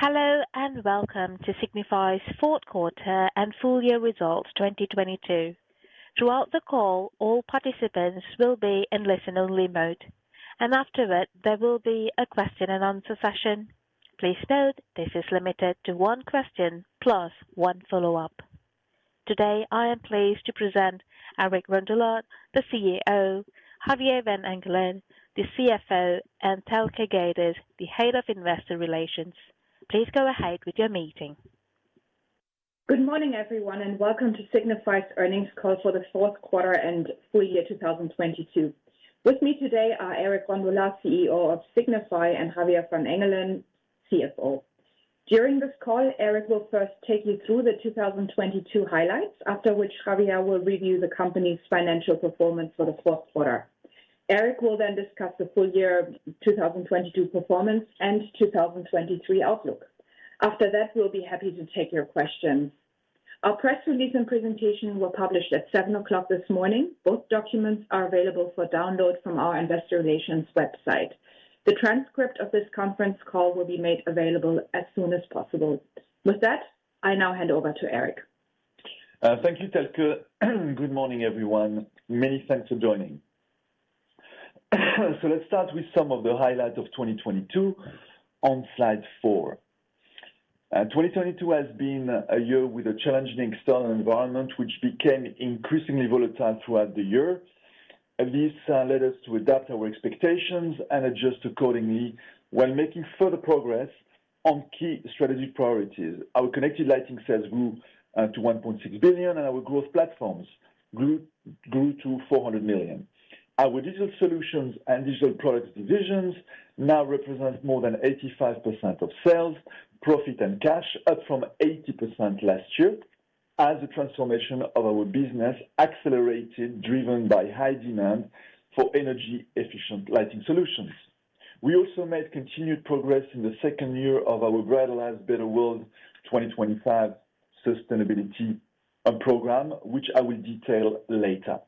Hello, welcome to Signify's fourth quarter and full year results 2022. Throughout the call, all participants will be in listen-only mode, and after it, there will be a Q&A session. Please note this is limited to one question plus one follow-up. Today, I am pleased to present Eric Rondolat, the CEO, Javier van Engelen, the CFO, and Thelke Gerdes, the Head of Investor Relations. Please go ahead with your meeting. Good morning, everyone, welcome to Signify's earnings call for the fourth quarter and full year 2022. With me today are Eric Rondolat, CEO of Signify, and Javier van Engelen, CFO. During this call, Eric will first take you through the 2022 highlights, after which Javier will review the company's financial performance for the fourth quarter. Eric will then discuss the full year 2022 performance and 2023 outlook. After that, we'll be happy to take your questions. Our press release and presentation were published at 7:00 A.M. this morning. Both documents are available for download from our investor relations website. The transcript of this conference call will be made available as soon as possible. With that, I now hand over to Eric. Thank you, Thelke. Good morning, everyone. Many thanks for joining. Let's start with some of the highlights of 2022 on slide 4. 2022 has been a year with a challenging external environment, which became increasingly volatile throughout the year. This led us to adapt our expectations and adjust accordingly while making further progress on key strategic priorities. Our connected lighting sales grew to 1.6 billion, and our growth platforms grew to 400 million. Our Digital Solutions and Digital Products divisions now represent more than 85% of sales, profit, and cash, up from 80% last year, as the transformation of our business accelerated, driven by high demand for energy-efficient lighting solutions. We also made continued progress in the second year of our Brighter Lives, Better World 2025 sustainability program, which I will detail later.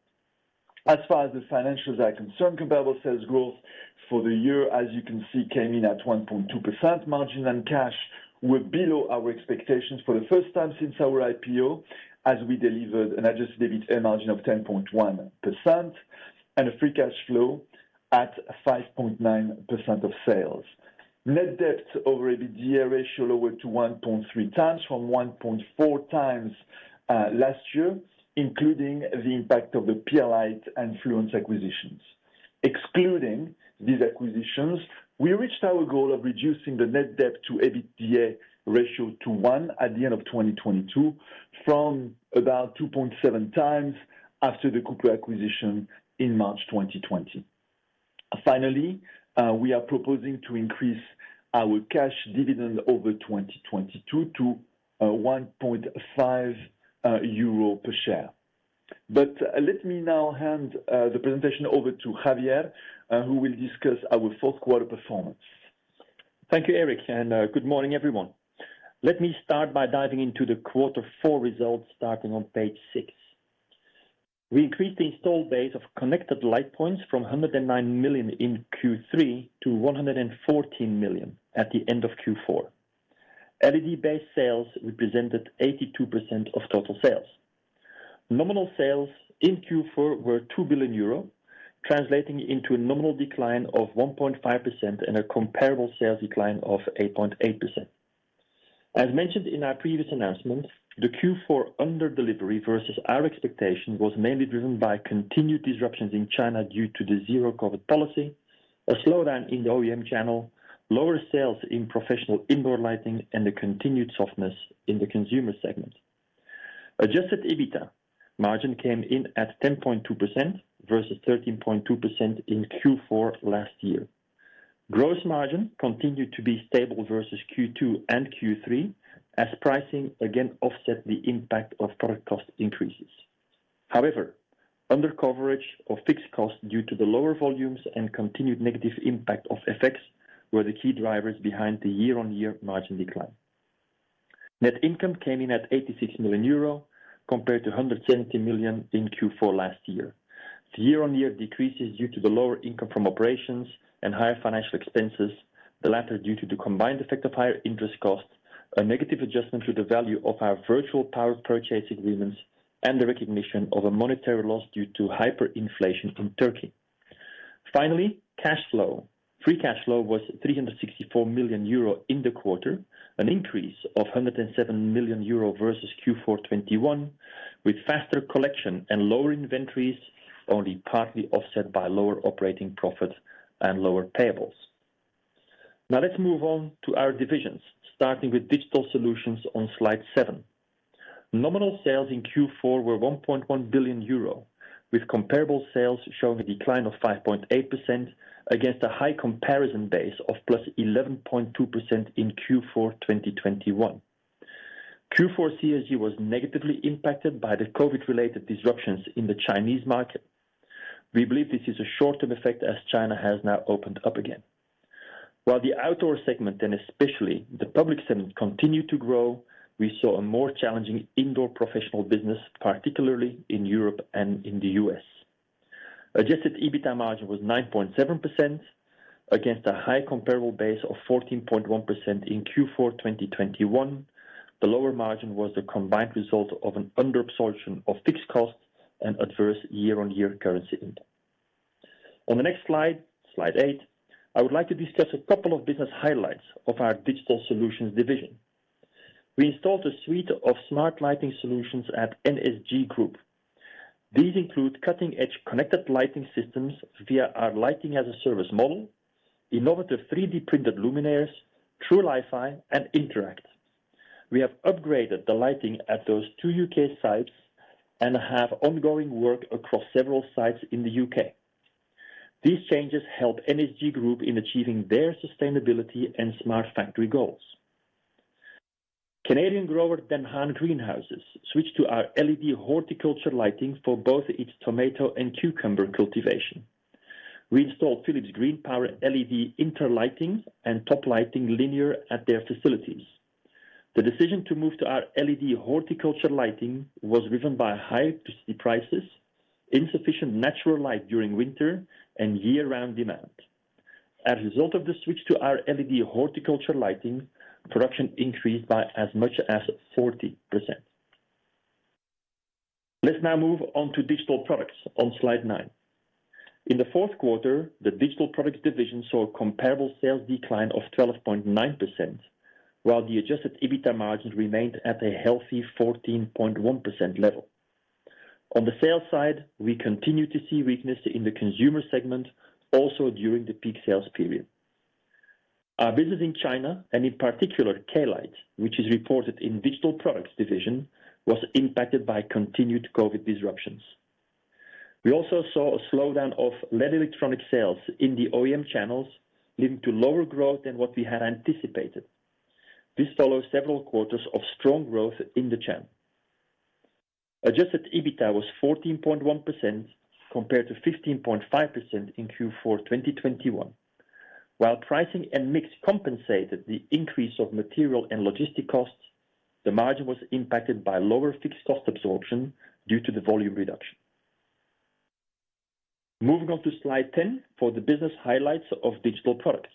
As far as the financials are concerned, Comparable Sales Growth for the year, as you can see, came in at 1.2%. Margin and cash were below our expectations for the first time since our IPO, as we delivered an adjusted EBITA margin of 10.1% and a free cash flow at 5.9% of sales. Net debt over EBITDA ratio lowered to 1.3 times from 1.4 times last year, including the impact of the PLI and Fluence acquisitions. Excluding these acquisitions, we reached our goal of reducing the net debt to EBITDA ratio to 1 at the end of 2022 from about 2.7 times after the Cooper acquisition in March 2020. Finally, we are proposing to increase our cash dividend over 2022 to 1.5 euro per share. Let me now hand the presentation over to Javier, who will discuss our fourth quarter performance. Thank you, Eric, and good morning, everyone. Let me start by diving into the Q4 results starting on page 6. We increased the install base of connected light points from 109 million in Q3 to 114 million at the end of Q4. LED-based sales represented 82% of total sales. Nominal sales in Q4 were 2 billion euro, translating into a nominal decline of 1.5% and a comparable sales decline of 8.8%. As mentioned in our previous announcement, the Q4 under-delivery versus our expectation was mainly driven by continued disruptions in China due to the zero-COVID policy, a slowdown in the OEM channel, lower sales in professional indoor lighting, and the continued softness in the consumer segment. Adjusted EBITA margin came in at 10.2% versus 13.2% in Q4 last year. Gross margin continued to be stable versus Q2 and Q3 as pricing again offset the impact of product cost increases. Under coverage of fixed costs due to the lower volumes and continued negative impact of effects were the key drivers behind the year-on-year margin decline. Net income came in at 86 million euro compared to 170 million in Q4 last year. The year-on-year decreases due to the lower income from operations and higher financial expenses, the latter due to the combined effect of higher interest costs, a negative adjustment to the value of our virtual power purchase agreements, and the recognition of a monetary loss due to hyperinflation from Turkey. Cash flow. Free cash flow was 364 million euro in the quarter, an increase of 107 million euro versus Q4 2021, with faster collection and lower inventories only partly offset by lower operating profits and lower payables. Let's move on to our divisions, starting with Digital Solutions on slide 7. Nominal sales in Q4 were 1.1 billion euro, with comparable sales showing a decline of 5.8% against a high comparison base of +11.2% in Q4 2021. Q4 CSG was negatively impacted by the COVID-related disruptions in the Chinese market. We believe this is a short-term effect as China has now opened up again. While the outdoor segment, and especially the public segment, continued to grow, we saw a more challenging indoor professional business, particularly in Europe and in the U.S. Adjusted EBITDA margin was 9.7% against a high comparable base of 14.1% in Q4 2021. The lower margin was the combined result of an under absorption of fixed costs and adverse year-on-year currency impact. On the next slide 8, I would like to discuss a couple of business highlights of our Digital Solutions division. We installed a suite of smart lighting solutions at NSG Group. These include cutting-edge connected lighting systems via our lighting-as-a-service model, innovative 3D-printed luminaires, Trulifi, and Interact. We have upgraded the lighting at those 2 U.K. sites and have ongoing work across several sites in the U.K. These changes help NSG Group in achieving their sustainability and smart factory goals. Canadian grower Van Harn Greenhouses switched to our LED horticulture lighting for both its tomato and cucumber cultivation. We installed Philips GreenPower LED interlighting and top lighting linear at their facilities. The decision to move to our LED horticulture lighting was driven by high electricity prices, insufficient natural light during winter, and year-round demand. As a result of the switch to our LED horticulture lighting, production increased by as much as 40%. Let's now move on to Digital Products on slide 9. In the fourth quarter, the Digital Products division saw a comparable sales decline of 12.9%, while the adjusted EBITDA margin remained at a healthy 14.1% level. On the sales side, we continue to see weakness in the consumer segment also during the peak sales period. Our business in China, and in particular KLite, which is reported in Digital Products division, was impacted by continued COVID disruptions. We also saw a slowdown of LED electronic sales in the OEM channels, leading to lower growth than what we had anticipated. Adjusted EBITDA was 14.1% compared to 15.5% in Q4 2021. While pricing and mix compensated the increase of material and logistic costs, the margin was impacted by lower fixed cost absorption due to the volume reduction. Moving on to slide 10 for the business highlights of Digital Products.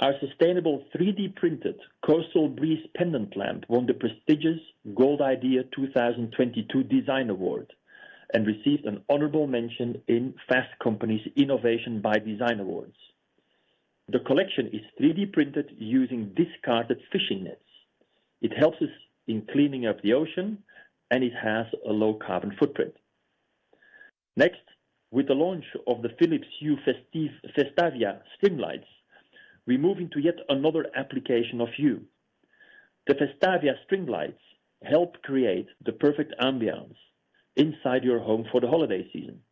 Our sustainable 3D-printed Coastal Breeze pendant lamp won the prestigious Gold IDEA 2022 design award and received an honorable mention in Fast Company's Innovation By Design Awards. The collection is 3D-printed using discarded fishing nets. It helps us in cleaning up the ocean. It has a low carbon footprint. Next, with the launch of the Philips Hue Festavia string lights, we move into yet another application of Hue. The Festavia string lights help create the perfect ambiance inside your home for the holiday season.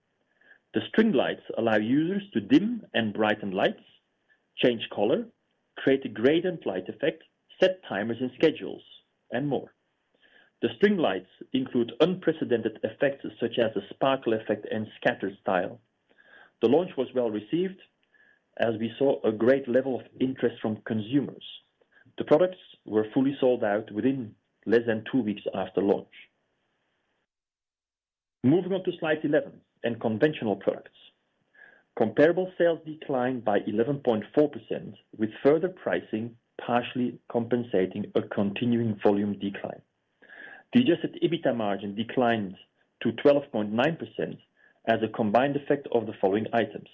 The string lights allow users to dim and brighten lights, change color, create a gradient light effect, set timers and schedules, and more. The string lights include unprecedented effects such as the sparkle effect and scatter style. The launch was well-received, as we saw a great level of interest from consumers. The products were fully sold out within less than two weeks after launch. Moving on to slide 11 and Conventional products. Comparable sales declined by 11.4% with further pricing partially compensating a continuing volume decline. The adjusted EBITDA margin declined to 12.9% as a combined effect of the following items.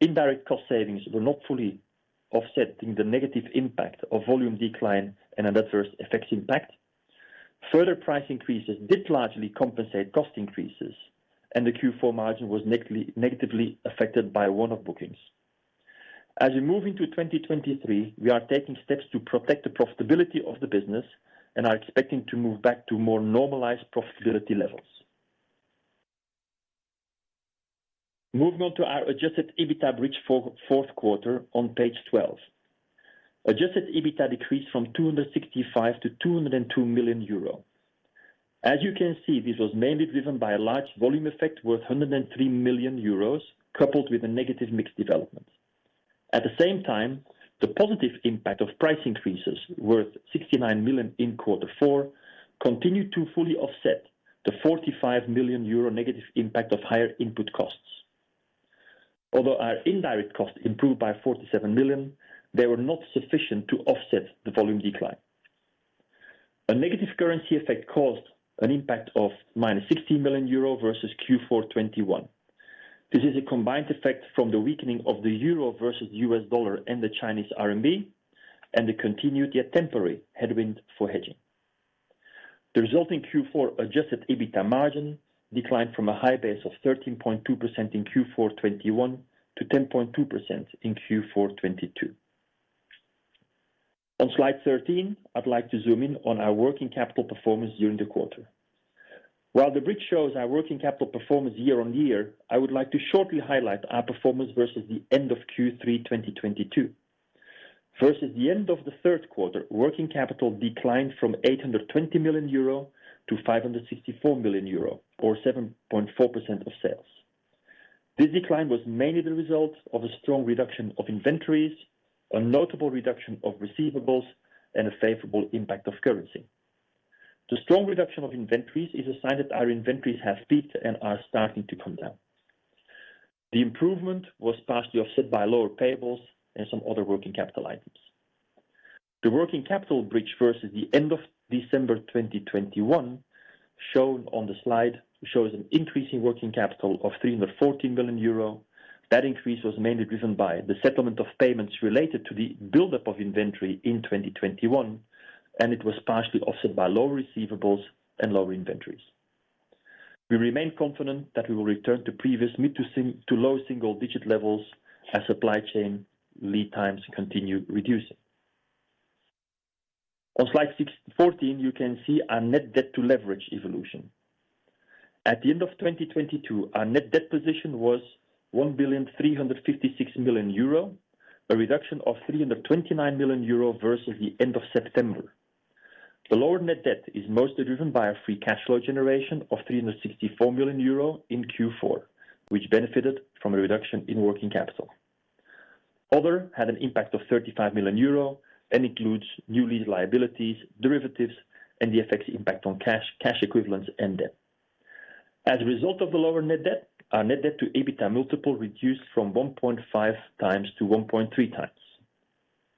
Indirect cost savings were not fully offsetting the negative impact of volume decline and adverse FX impact. Price increases did largely compensate cost increases, and the Q4 margin was negatively affected by one-off bookings. We move into 2023, we are taking steps to protect the profitability of the business and are expecting to move back to more normalized profitability levels. Our adjusted EBITDA bridge for fourth quarter on page 12. Adjusted EBITDA decreased from 265 to 202 million euro. You can see, this was mainly driven by a large volume effect worth 103 million euros, coupled with a negative mix development. At the same time, the positive impact of price increases worth 69 million in quarter four continued to fully offset the 45 million euro negative impact of higher input costs. Although our indirect costs improved by 47 million, they were not sufficient to offset the volume decline. A negative currency effect caused an impact of minus 60 million euro versus Q4 2021. This is a combined effect from the weakening of the euro versus US dollar and the Chinese RMB and the continued yet temporary headwind for hedging. The resulting Q4 adjusted EBITDA margin declined from a high base of 13.2% in Q4 2021 to 10.2% in Q4 2022. On slide 13, I'd like to zoom in on our working capital performance during the quarter. While the bridge shows our working capital performance year-over-year, I would like to shortly highlight our performance versus the end of Q3 2022. Versus the end of the third quarter, working capital declined from 820 million euro to 564 million euro or 7.4% of sales. This decline was mainly the result of a strong reduction of inventories, a notable reduction of receivables, and a favorable impact of currency. The strong reduction of inventories is a sign that our inventories have peaked and are starting to come down. The improvement was partially offset by lower payables and some other working capital items. The working capital bridge versus the end of December 2021 shown on the slide, shows an increase in working capital of 314 million euro. That increase was mainly driven by the settlement of payments related to the buildup of inventory in 2021, and it was partially offset by lower receivables and lower inventories. We remain confident that we will return to previous mid to low single-digit levels as supply chain lead times continue reducing. On slide 14, you can see our net debt to leverage evolution. At the end of 2022, our net debt position was 1.356 billion, a reduction of 329 million euro versus the end of September. The lower net debt is mostly driven by a free cash flow generation of 364 million euro in Q4, which benefited from a reduction in working capital. Other had an impact of 35 million euro and includes new lease liabilities, derivatives, and the FX impact on cash equivalents, and debt. As a result of the lower net debt, our net debt to EBITDA multiple reduced from 1.5 times to 1.3 times.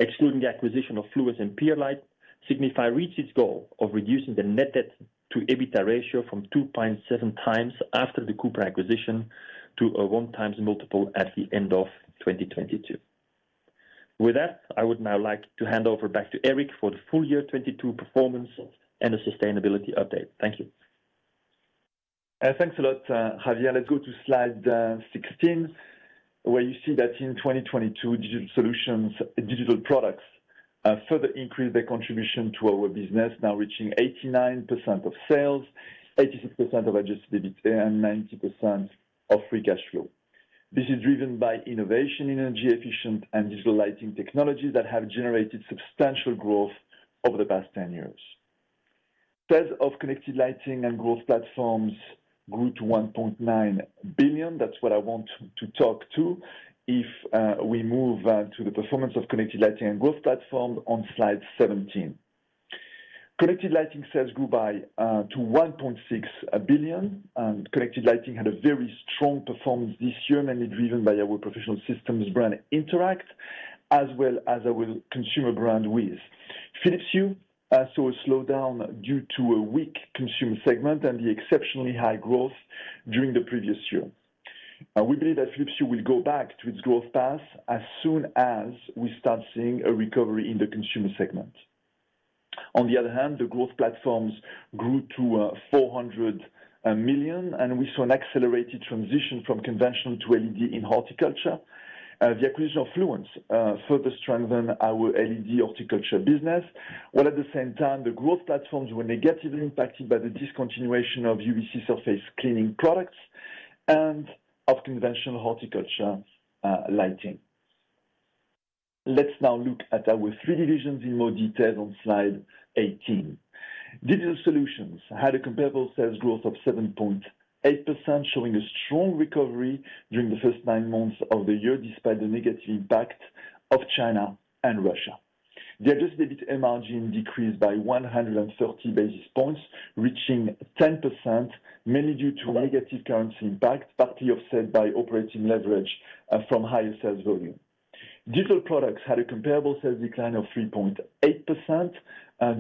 Excluding the acquisition of Fluence and Pierlite, Signify reached its goal of reducing the net debt to EBITDA ratio from 2.7 times after the Cooper acquisition to a 1 times multiple at the end of 2022. I would now like to hand over back to Eric for the full year 2022 performance and a sustainability update. Thank you. Thanks a lot, Javier. Let's go to slide 16, where you see that in 2022, digital products further increased their contribution to our business, now reaching 89% of sales, 86% of adjusted EBITA, and 90% of free cash flow. This is driven by innovation in energy efficient and digital lighting technologies that have generated substantial growth over the past 10 years. Sales of connected lighting and growth platforms grew to 1.9 billion. That's what I want to talk to. We move to the performance of connected lighting and growth platform on slide 17. Connected lighting sales grew by to 1.6 billion. Connected lighting had a very strong performance this year, mainly driven by our professional systems brand Interact, as well as our consumer brand, WiZ. Philips Hue saw a slowdown due to a weak consumer segment and the exceptionally high growth during the previous year. We believe that Philips Hue will go back to its growth path as soon as we start seeing a recovery in the consumer segment. On the other hand, the growth platforms grew to 400 million, and we saw an accelerated transition from Conventional Products to LED in horticulture. The acquisition of Fluence further strengthened our LED horticulture business, while at the same time the growth platforms were negatively impacted by the discontinuation of UVC surface cleaning products and of conventional horticulture lighting. Let's now look at our three divisions in more detail on slide 18. Digital solutions had a comparable sales growth of 7.8%, showing a strong recovery during the first nine months of the year, despite the negative impact of China and Russia. The adjusted EBIT margin decreased by 130 basis points, reaching 10%, mainly due to negative currency impact, partly offset by operating leverage from higher sales volume. Digital products had a comparable sales decline of 3.8%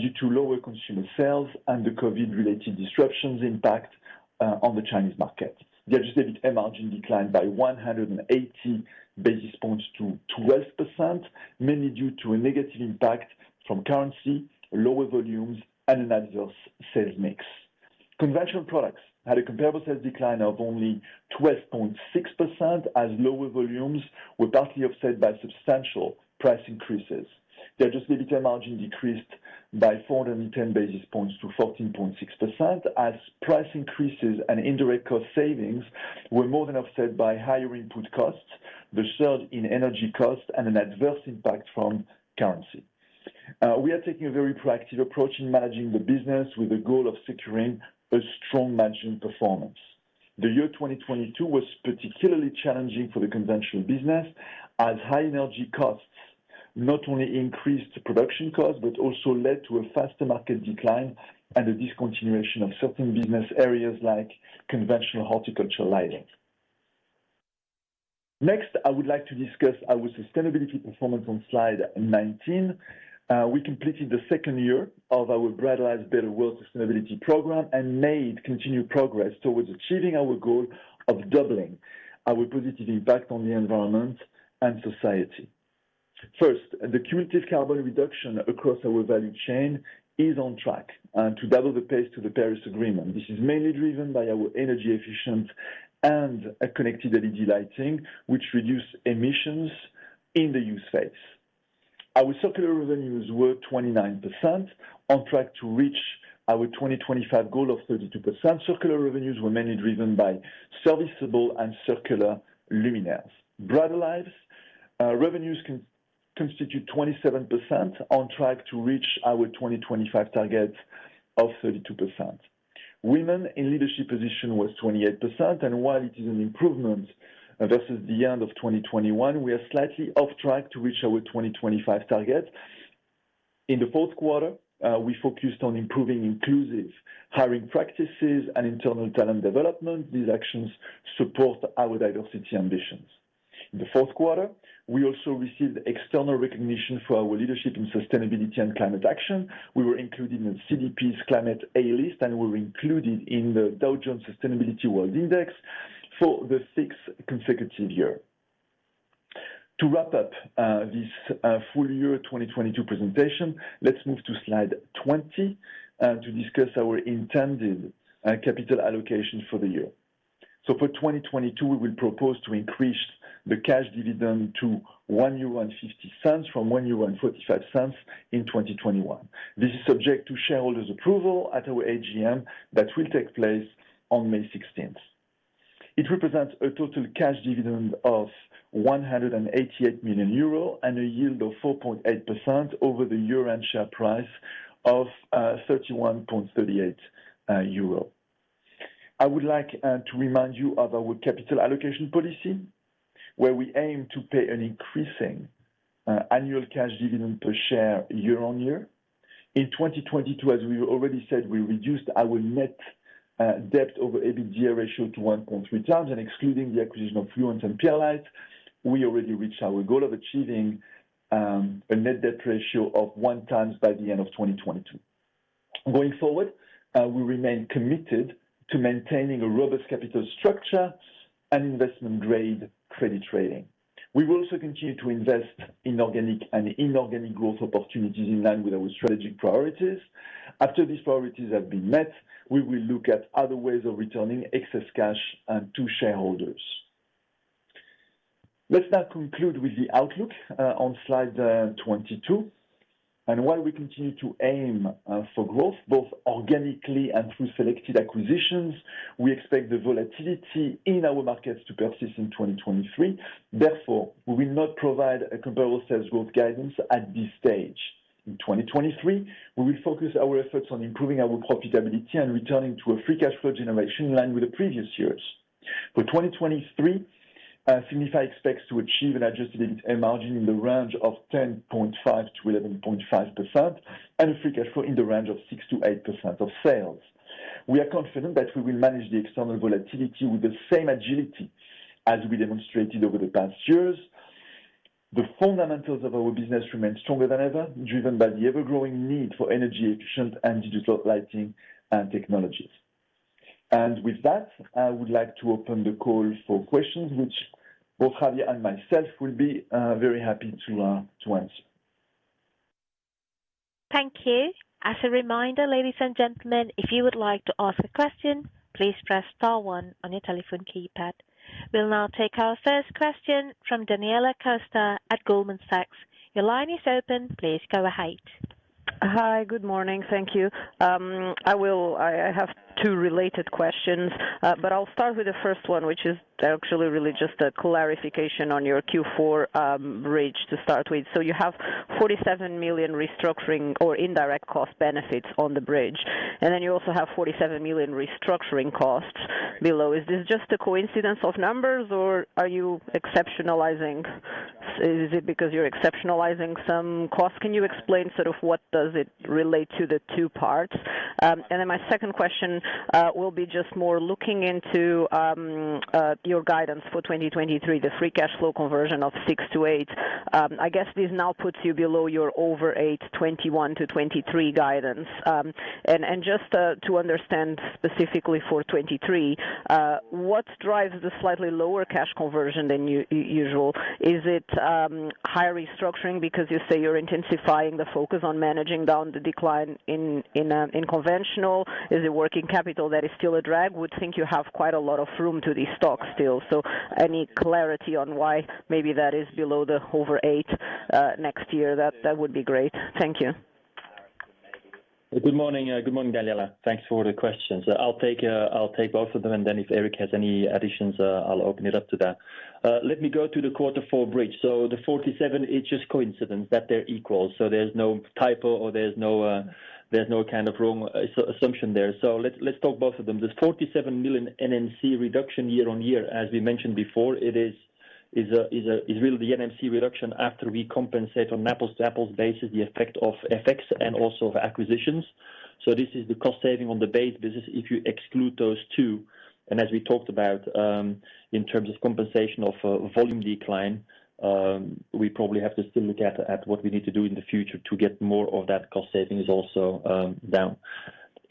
due to lower consumer sales and the COVID-related disruptions impact on the Chinese market. The adjusted EBIT margin declined by 180 basis points to 12%, mainly due to a negative impact from currency, lower volumes, and an adverse sales mix. Conventional products had a comparable sales decline of only 12.6%, as lower volumes were partly offset by substantial price increases. The adjusted EBIT margin decreased by 410 basis points to 14.6%, as price increases and indirect cost savings were more than offset by higher input costs, the surge in energy costs, and an adverse impact from currency. We are taking a very proactive approach in managing the business with the goal of securing a strong margin performance. The year 2022 was particularly challenging for the conventional business, as high energy costs not only increased production costs, but also led to a faster market decline and the discontinuation of certain business areas like conventional horticulture lighting. Next, I would like to discuss our sustainability performance on slide 19. We completed the second year of our Brighter Lives, Better World sustainability program and made continued progress towards achieving our goal of doubling our positive impact on the environment and society. First, the cumulative carbon reduction across our value chain is on track to double the pace to the Paris Agreement. This is mainly driven by our energy efficient and connected LED lighting, which reduce emissions in the use phase. Our circular revenues were 29% on track to reach our 2025 goal of 32%. Circular revenues were mainly driven by serviceable and circular luminaires. Brighter Lives revenues constitute 27% on track to reach our 2025 target of 32%. Women in leadership position was 28%. While it is an improvement versus the end of 2021, we are slightly off track to reach our 2025 target. In the fourth quarter, we focused on improving inclusive hiring practices and internal talent development. These actions support our diversity ambitions. In the fourth quarter, we also received external recognition for our leadership in sustainability and climate action. We were included in CDP's Climate A List, and we were included in the Dow Jones Sustainability World Index for the sixth consecutive year. To wrap up this full year 2022 presentation, let's move to slide 20 to discuss our intended capital allocation for the year. For 2022, we will propose to increase the cash dividend to 1.50 euro from 1.45 euro in 2021. This is subject to shareholders approval at our AGM that will take place on May 16th. It represents a total cash dividend of 188 million euro and a yield of 4.8% over the year-end share price of 31.38 euro. I would like to remind you of our capital allocation policy, where we aim to pay an increasing annual cash dividend per share year-on-year. In 2022, as we already said, we reduced our net debt over EBITDA ratio to 1.3 times. Excluding the acquisition of Fluence and PLI, we already reached our goal of achieving a net debt ratio of 1 time by the end of 2022. Going forward, we remain committed to maintaining a robust capital structure and investment-grade credit rating. We will also continue to invest in organic and inorganic growth opportunities in line with our strategic priorities. After these priorities have been met, we will look at other ways of returning excess cash to shareholders. Let's now conclude with the outlook on slide 22. While we continue to aim for growth, both organically and through selected acquisitions, we expect the volatility in our markets to persist in 2023. Therefore, we will not provide a Comparable Sales Growth guidance at this stage. In 2023, we will focus our efforts on improving our profitability and returning to a free cash flow generation in line with the previous years. For 2023, Signify expects to achieve an adjusted EBITA margin in the range of 10.5% to 11.5% and a free cash flow in the range of 6% to 8% of sales. We are confident that we will manage the external volatility with the same agility as we demonstrated over the past years. The fundamentals of our business remain stronger than ever, driven by the ever-growing need for energy efficient and digital lighting and technologies. With that, I would like to open the call for questions which both Javier and myself will be very happy to answer. Thank you. As a reminder, ladies and gentlemen, if you would like to ask a question, please press star 1 on your telephone keypad. We'll now take our first question from Daniela Costa at Goldman Sachs. Your line is open. Please go ahead. Hi. Good morning. Thank you. I have two related questions, but I'll start with the first one, which is actually really just a clarification on your Q4 bridge to start with. You have 47 million restructuring or indirect cost benefits on the bridge, and then you also have 47 million restructuring costs below. Is this just a coincidence of numbers, or is it because you're exceptionalizing some costs? Can you explain sort of what does it relate to the two parts? My second question will be just more looking into your guidance for 2023, the free cash flow conversion of 6% to 8%. I guess this now puts you below your over 8% 2021-2023 guidance. Just to understand specifically for 23, what drives the slightly lower cash conversion than usual? Is it higher restructuring because you say you're intensifying the focus on managing down the decline in conventional? Is it working capital that is still a drag? Would think you have quite a lot of room to de-stock still. Any clarity on why maybe that is below the over 8 next year, that would be great. Thank you. Good morning. Good morning, Daniela. Thanks for the questions. I'll take both of them, and then if Eric has any additions, I'll open it up to that. Let me go to the quarter four bridge. The 47, it's just coincidence that they're equal, so there's no typo or there's no, there's no kind of wrong assumption there. Let's talk both of them. There's 47 million NNC reduction year-on-year. As we mentioned before, it is really the NNC reduction after we compensate on apples-to-apples basis the effect of FX and also of acquisitions. This is the cost saving on the base business if you exclude those two. As we talked about, in terms of compensation of volume decline, we probably have to still look at what we need to do in the future to get more of that cost savings also down.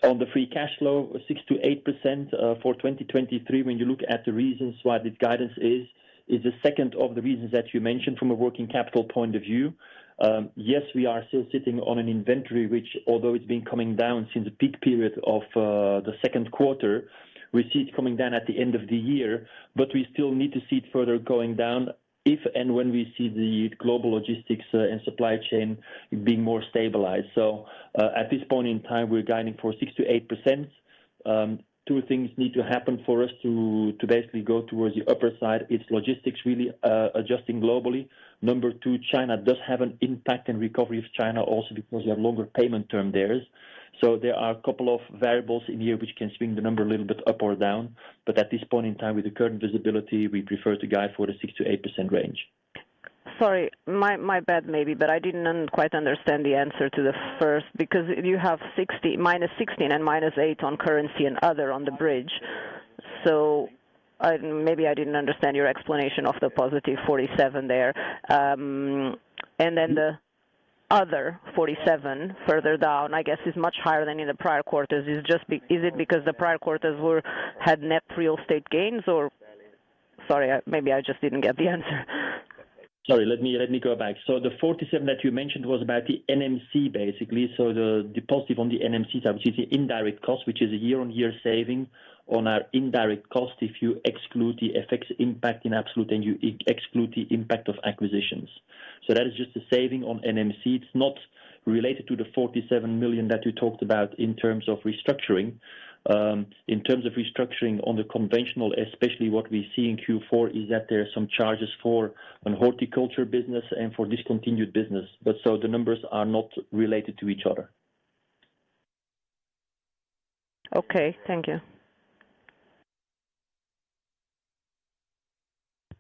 On the free cash flow, 6%-8% for 2023, when you look at the reasons why this guidance is the second of the reasons that you mentioned from a working capital point of view. Yes, we are still sitting on an inventory which although it's been coming down since the peak period of the second quarter, we see it coming down at the end of the year, but we still need to see it further going down if and when we see the global logistics and supply chain being more stabilized. At this point in time, we're guiding for 6% to 8%. Two things need to happen for us to basically go towards the upper side. It's logistics really adjusting globally. Number two, China does have an impact and recovery of China also because you have longer payment term there. There are a couple of variables in here which can swing the number a little bit up or down, but at this point in time, with the current visibility, we prefer to guide for the 6% to 8% range. Sorry, my bad maybe, I didn't quite understand the answer to the first, because you have -16 and -8 on currency and other on the bridge. Maybe I didn't understand your explanation of the +47 there. Then the other 47 further down, I guess, is much higher than in the prior quarters. Is it because the prior quarters were had net real estate gains or? Sorry, maybe I just didn't get the answer. Sorry, let me go back. The 47 that you mentioned was about the NMC, basically. The positive on the NMC side, which is the indirect cost, which is a year-on-year saving on our indirect cost, if you exclude the FX impact in absolute and you exclude the impact of acquisitions. That is just a saving on NMC. It's not related to the 47 million that you talked about in terms of restructuring. In terms of restructuring on the conventional, especially what we see in Q4 is that there are some charges for an horticulture business and for discontinued business. The numbers are not related to each other. Okay, thank you.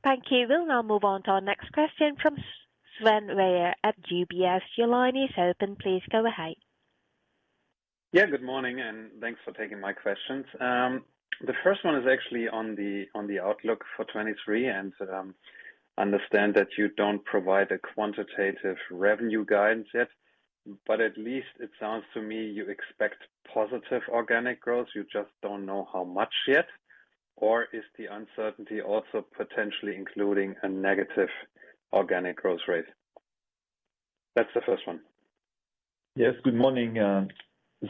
Thank you. We'll now move on to our next question from Sven Weier at GS. Your line is open. Please go ahead. Good morning, and thanks for taking my questions. The first one is actually on the outlook for 2023. Understand that you don't provide a quantitative revenue guidance yet, but at least it sounds to me you expect positive organic growth. You just don't know how much yet. Is the uncertainty also potentially including a negative organic growth rate? That's the first one. Yes. Good morning,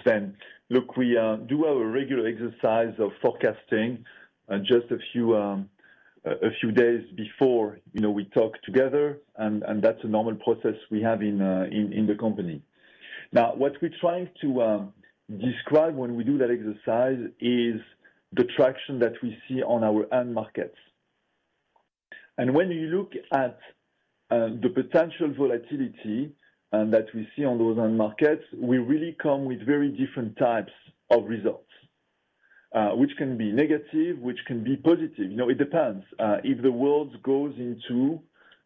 Sven. Look, we do our regular exercise of forecasting just a few, a few days before, you know, we talk together, and that's a normal process we have in the company. Now, what we're trying to describe when we do that exercise is the traction that we see on our end markets. And when you look at the potential volatility that we see on those end markets, we really come with very different types of results, which can be negative, which can be positive. You know, it depends. If the world goes into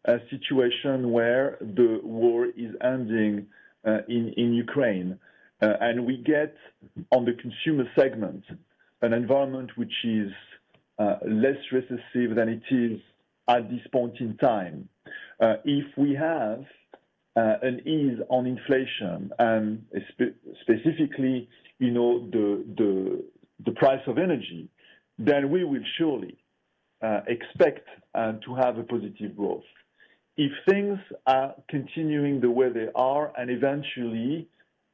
a situation where the war is ending in Ukraine, and we get on the consumer segment, an environment which is less recessive than it is at this point in time. If we have an ease on inflation, specifically, you know, the, the price of energy, then we will surely expect to have a positive growth. If things are continuing the way they are and eventually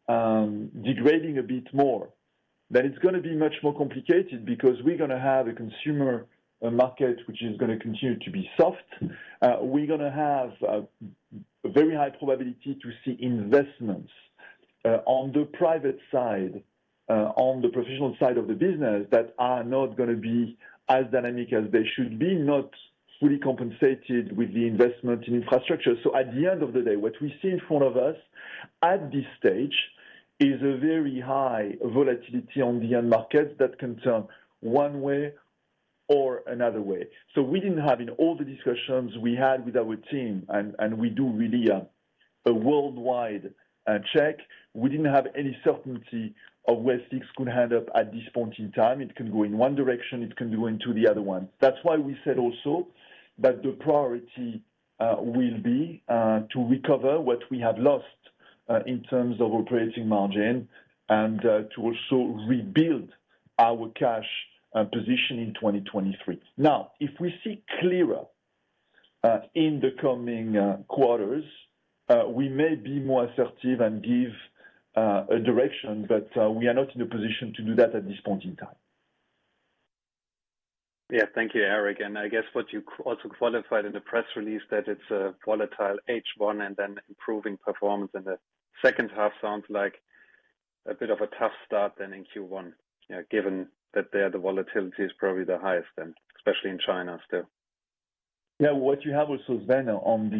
degrading a bit more, then it's gonna be much more complicated because we're gonna have a consumer market, which is gonna continue to be soft. We're gonna have a very high probability to see investments on the private side, on the professional side of the business that are not gonna be as dynamic as they should be, not fully compensated with the investment in infrastructure. At the end of the day, what we see in front of us at this stage is a very high volatility on the end markets that can turn one way or another way. We didn't have, in all the discussions we had with our team, and we do really a worldwide check. We didn't have any certainty of where things could end up at this point in time. It can go in one direction, it can go into the other one. That's why we said also that the priority will be to recover what we have lost in terms of operating margin and to also rebuild our cash position in 2023. If we see clearer in the coming quarters, we may be more assertive and give a direction, but we are not in a position to do that at this point in time. Thank you, Eric. I guess what you also qualified in the press release that it's a volatile H1 and then improving performance in the second half sounds like a bit of a tough start than in Q1. You know, given that there, the volatility is probably the highest then, especially in China still. What you have also then on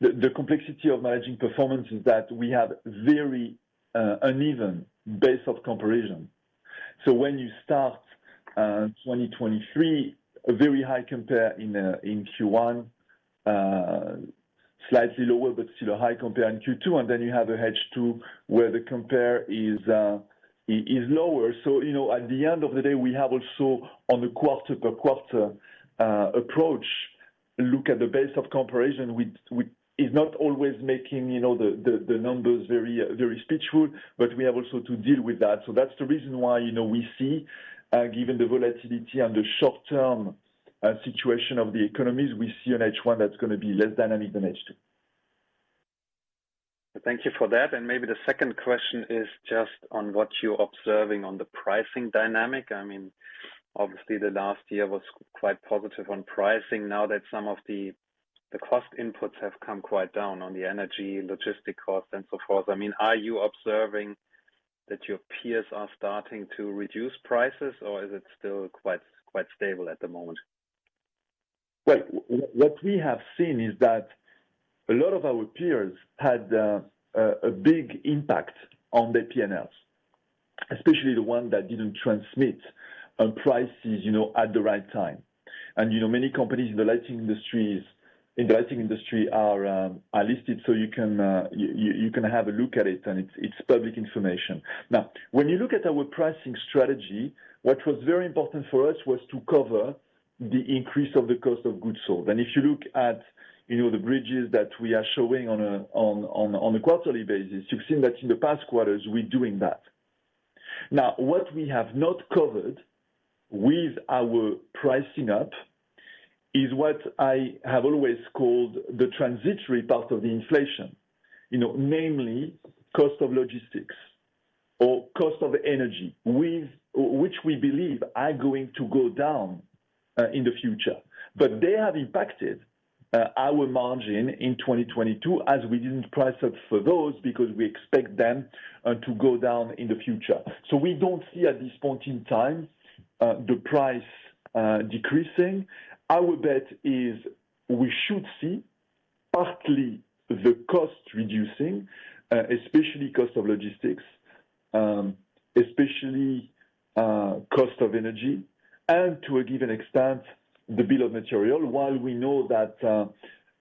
the complexity of managing performance is that we have very uneven base of comparison. When you start 2023, a very high compare in Q1, slightly lower, but still a high compare in Q2, then you have a H2 where the compare is lower. You know, at the end of the day, we have also on the quarter-over-quarter approach, look at the base of comparison with. Is not always making, you know, the, the numbers very, very speechful, but we have also to deal with that. That's the reason why, you know, we see given the volatility and the short-term situation of the economies, we see an H1 that's gonna be less dynamic than H2. Thank you for that. Maybe the second question is just on what you're observing on the pricing dynamic. Obviously the last year was quite positive on pricing now that some of the cost inputs have come quite down on the energy, logistic costs and so forth. Are you observing that your peers are starting to reduce prices, or is it still quite stable at the moment? Well, what we have seen is that a lot of our peers had a big impact on their P&Ls. Especially the one that didn't transmit on prices, you know, at the right time. Many companies in the lighting industry are listed, so you can have a look at it, and it's public information. When you look at our pricing strategy, what was very important for us was to cover the increase of the cost of goods sold. If you look at, you know, the bridges that we are showing on a quarterly basis, you've seen that in the past quarters, we're doing that. What we have not covered with our pricing up is what I have always called the transitory part of the inflation. You know, namely cost of logistics or cost of energy, which we believe are going to go down in the future. They have impacted our margin in 2022 as we didn't price up for those because we expect them to go down in the future. We don't see at this point in time the price decreasing. Our bet is we should see partly the cost reducing, especially cost of logistics, especially cost of energy, and to a given extent, the bill of material. While we know that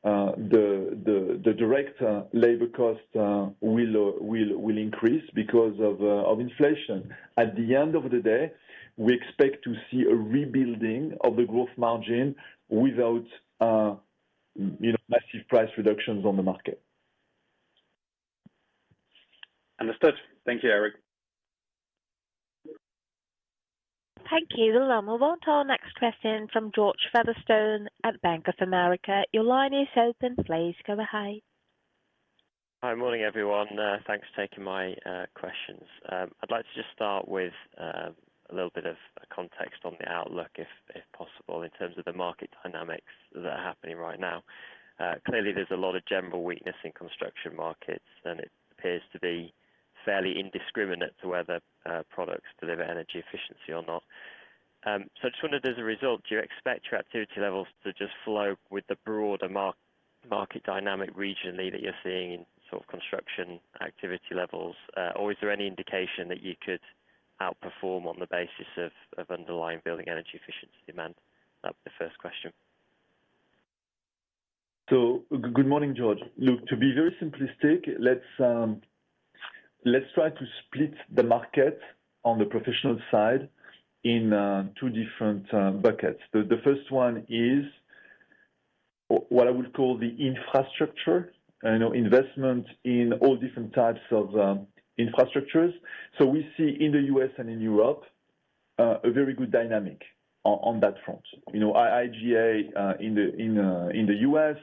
the direct labor cost will increase because of inflation, at the end of the day, we expect to see a rebuilding of the growth margin without, you know, massive price reductions on the market. Understood. Thank you, Eric. Thank you. I'll move on to our next question from George Featherstone at Bank of America. Your line is open. Please go ahead. Hi. Morning, everyone. Thanks for taking my questions. I'd like to just start with a little bit of context on the outlook if possible, in terms of the market dynamics that are happening right now. Clearly, there's a lot of general weakness in construction markets, and it appears to be fairly indiscriminate to whether products deliver energy efficiency or not. I just wondered, as a result, do you expect your activity levels to just flow with the broader mark-market dynamic regionally that you're seeing in sort of construction activity levels? Is there any indication that you could outperform on the basis of underlying building energy efficiency demand? That was the first question. Good morning, George. Look, to be very simplistic, let's try to split the market on the professional side in two different buckets. The first one is what I would call the infrastructure, you know, investment in all different types of infrastructures. We see in the U.S. and in Europe a very good dynamic on that front. You know, IGA in the U.S.,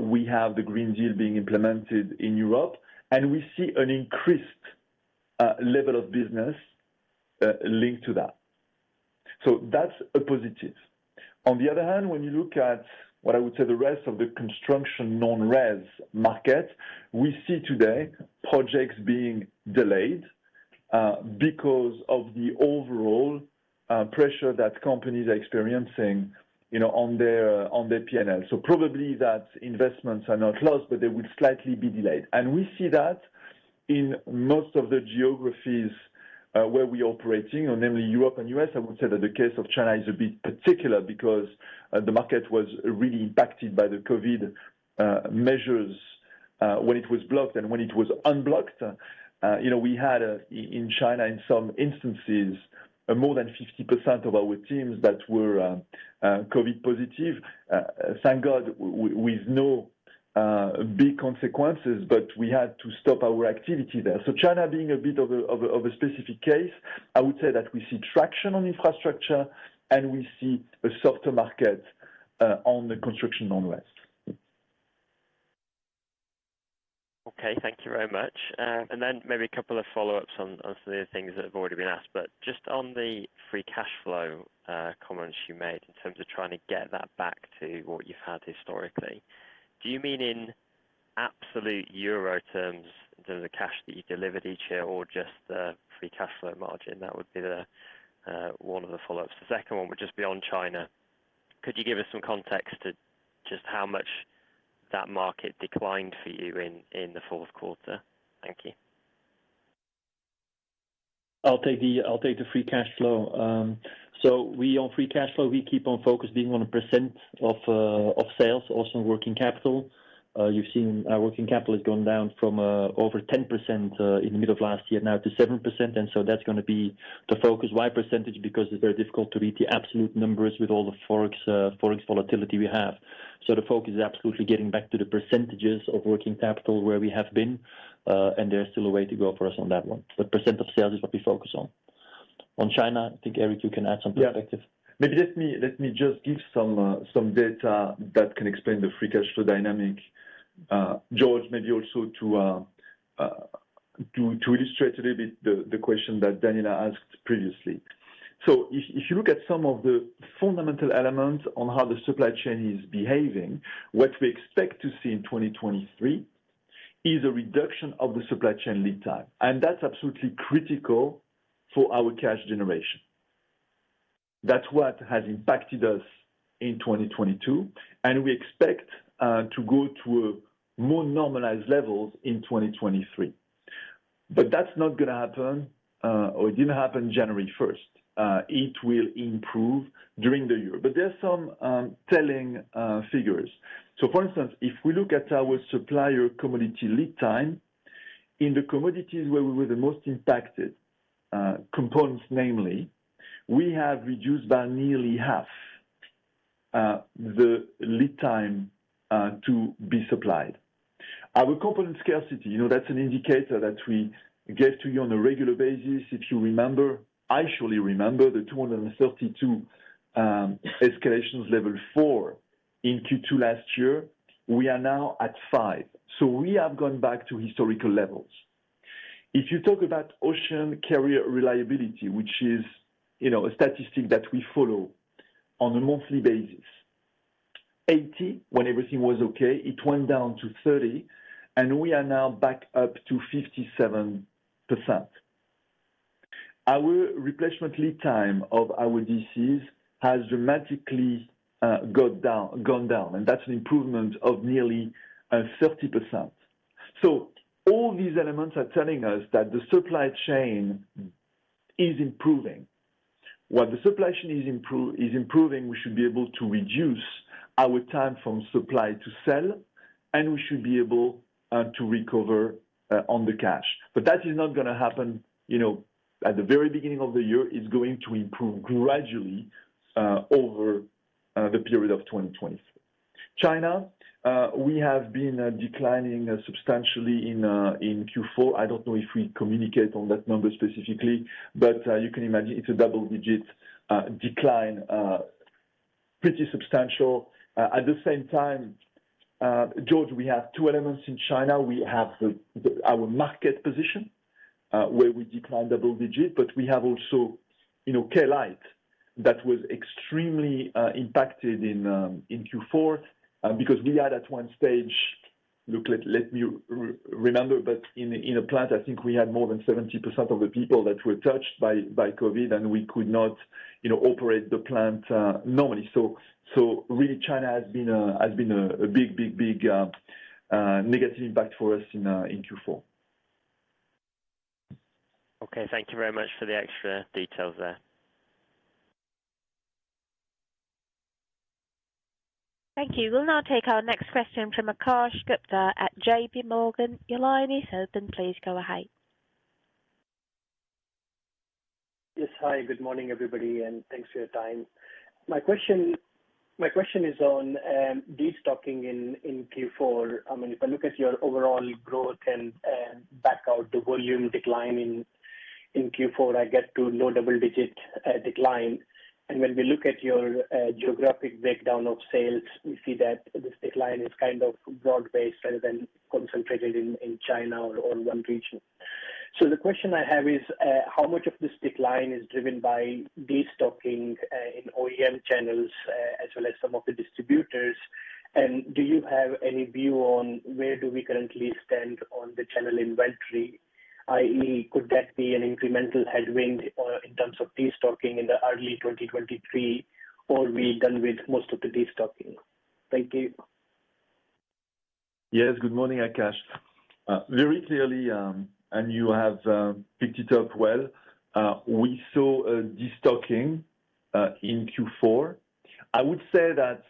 we have the Green Deal being implemented in Europe, we see an increased level of business linked to that. That's a positive. On the other hand, when you look at what I would say, the rest of the construction non-res market, we see today projects being delayed because of the overall pressure that companies are experiencing, you know, on their P&L. Probably that investments are not lost, but they will slightly be delayed. We see that in most of the geographies, where we operating, or namely Europe and U.S. I would say that the case of China is a bit particular because the market was really impacted by the COVID measures, when it was blocked. When it was unblocked, you know, we had in China, in some instances, more than 50% of our teams that were COVID positive, thank God, with no big consequences, but we had to stop our activity there. China being a bit of a specific case, I would say that we see traction on infrastructure and we see a softer market on the construction non-res. Okay. Thank you very much. Then maybe a couple of follow-ups on some of the things that have already been asked. Just on the free cash flow comments you made in terms of trying to get that back to what you've had historically. Do you mean in absolute euro terms in terms of cash that you delivered each year or just the free cash flow margin? That would be the one of the follow-ups. The second one would just be on China. Could you give us some context to just how much that market declined for you in the fourth quarter? Thank you. I'll take the free cash flow. We on free cash flow, we keep on focus being on a % of sales, also in working capital. You've seen our working capital has gone down from over 10% in the middle of last year now to 7%. That's gonna be the focus. Why percentage? Because it's very difficult to read the absolute numbers with all the Forex volatility we have. The focus is absolutely getting back to the percentages of working capital where we have been, and there's still a way to go for us on that one. % of sales is what we focus on. On China, I think, Eric, you can add some perspective. Maybe let me just give some data that can explain the free cash flow dynamic. George, maybe also to illustrate a little bit the question that Daniela asked previously. If you, if you look at some of the fundamental elements on how the supply chain is behaving, what we expect to see in 2023 is a reduction of the supply chain lead time, and that's absolutely critical for our cash generation. That's what has impacted us in 2022, and we expect to go to a more normalized levels in 2023. That's not gonna happen, or it didn't happen January 1st. It will improve during the year. There are some telling figures. For instance, if we look at our supplier commodity lead time, in the commodities where we were the most impacted, components namely, we have reduced by nearly half the lead time to be supplied. Our component scarcity, you know, that's an indicator that we give to you on a regular basis. If you remember, I surely remember the 232 escalations level four in Q2 last year. We are now at 5. We have gone back to historical levels. If you talk about ocean carrier reliability, which is, you know, a statistic that we follow on a monthly basis. 80 when everything was okay, it went down to 30, and we are now back up to 57%. Our replacement lead time of our DCs has dramatically gone down, and that's an improvement of nearly 30%. All these elements are telling us that the supply chain is improving. While the supply chain is improving, we should be able to reduce our time from supply to sell, and we should be able to recover on the cash. That is not gonna happen, you know, at the very beginning of the year. It's going to improve gradually over the period of 2023. China, we have been declining substantially in Q4. I don't know if we communicate on that number specifically, but you can imagine it's a double-digit decline, pretty substantial. At the same time, George, we have two elements in China. We have our market position, where we declined double digit, but we have also, you know, KLite that was extremely impacted in Q4, because we had at one stage. Look, let me re-remember, but in a plant, I think we had more than 70% of the people that were touched by COVID, and we could not, you know, operate the plant normally. Really China has been a big, big, big negative impact for us in Q4. Okay. Thank you very much for the extra details there. Thank you. We'll now take our next question from Akash Gupta at JP Morgan. Your line is open. Please go ahead. Yes. Hi, good morning, everybody, and thanks for your time. My question is on destocking in Q4. I mean, if I look at your overall growth and back out the volume decline in Q4, I get to low double-digit decline. When we look at your geographic breakdown of sales, we see that the decline is kind of broad-based rather than concentrated in China or one region. The question I have is how much of this decline is driven by destocking in OEM channels, as well as some of the distributors? Do you have any view on where do we currently stand on the channel inventory? Could that be an incremental headwind or in terms of destocking in the early 2023, or are we done with most of the destocking? Thank you. Yes. Good morning, Akash. Very clearly, you have picked it up well, we saw a destocking in Q4. I would say that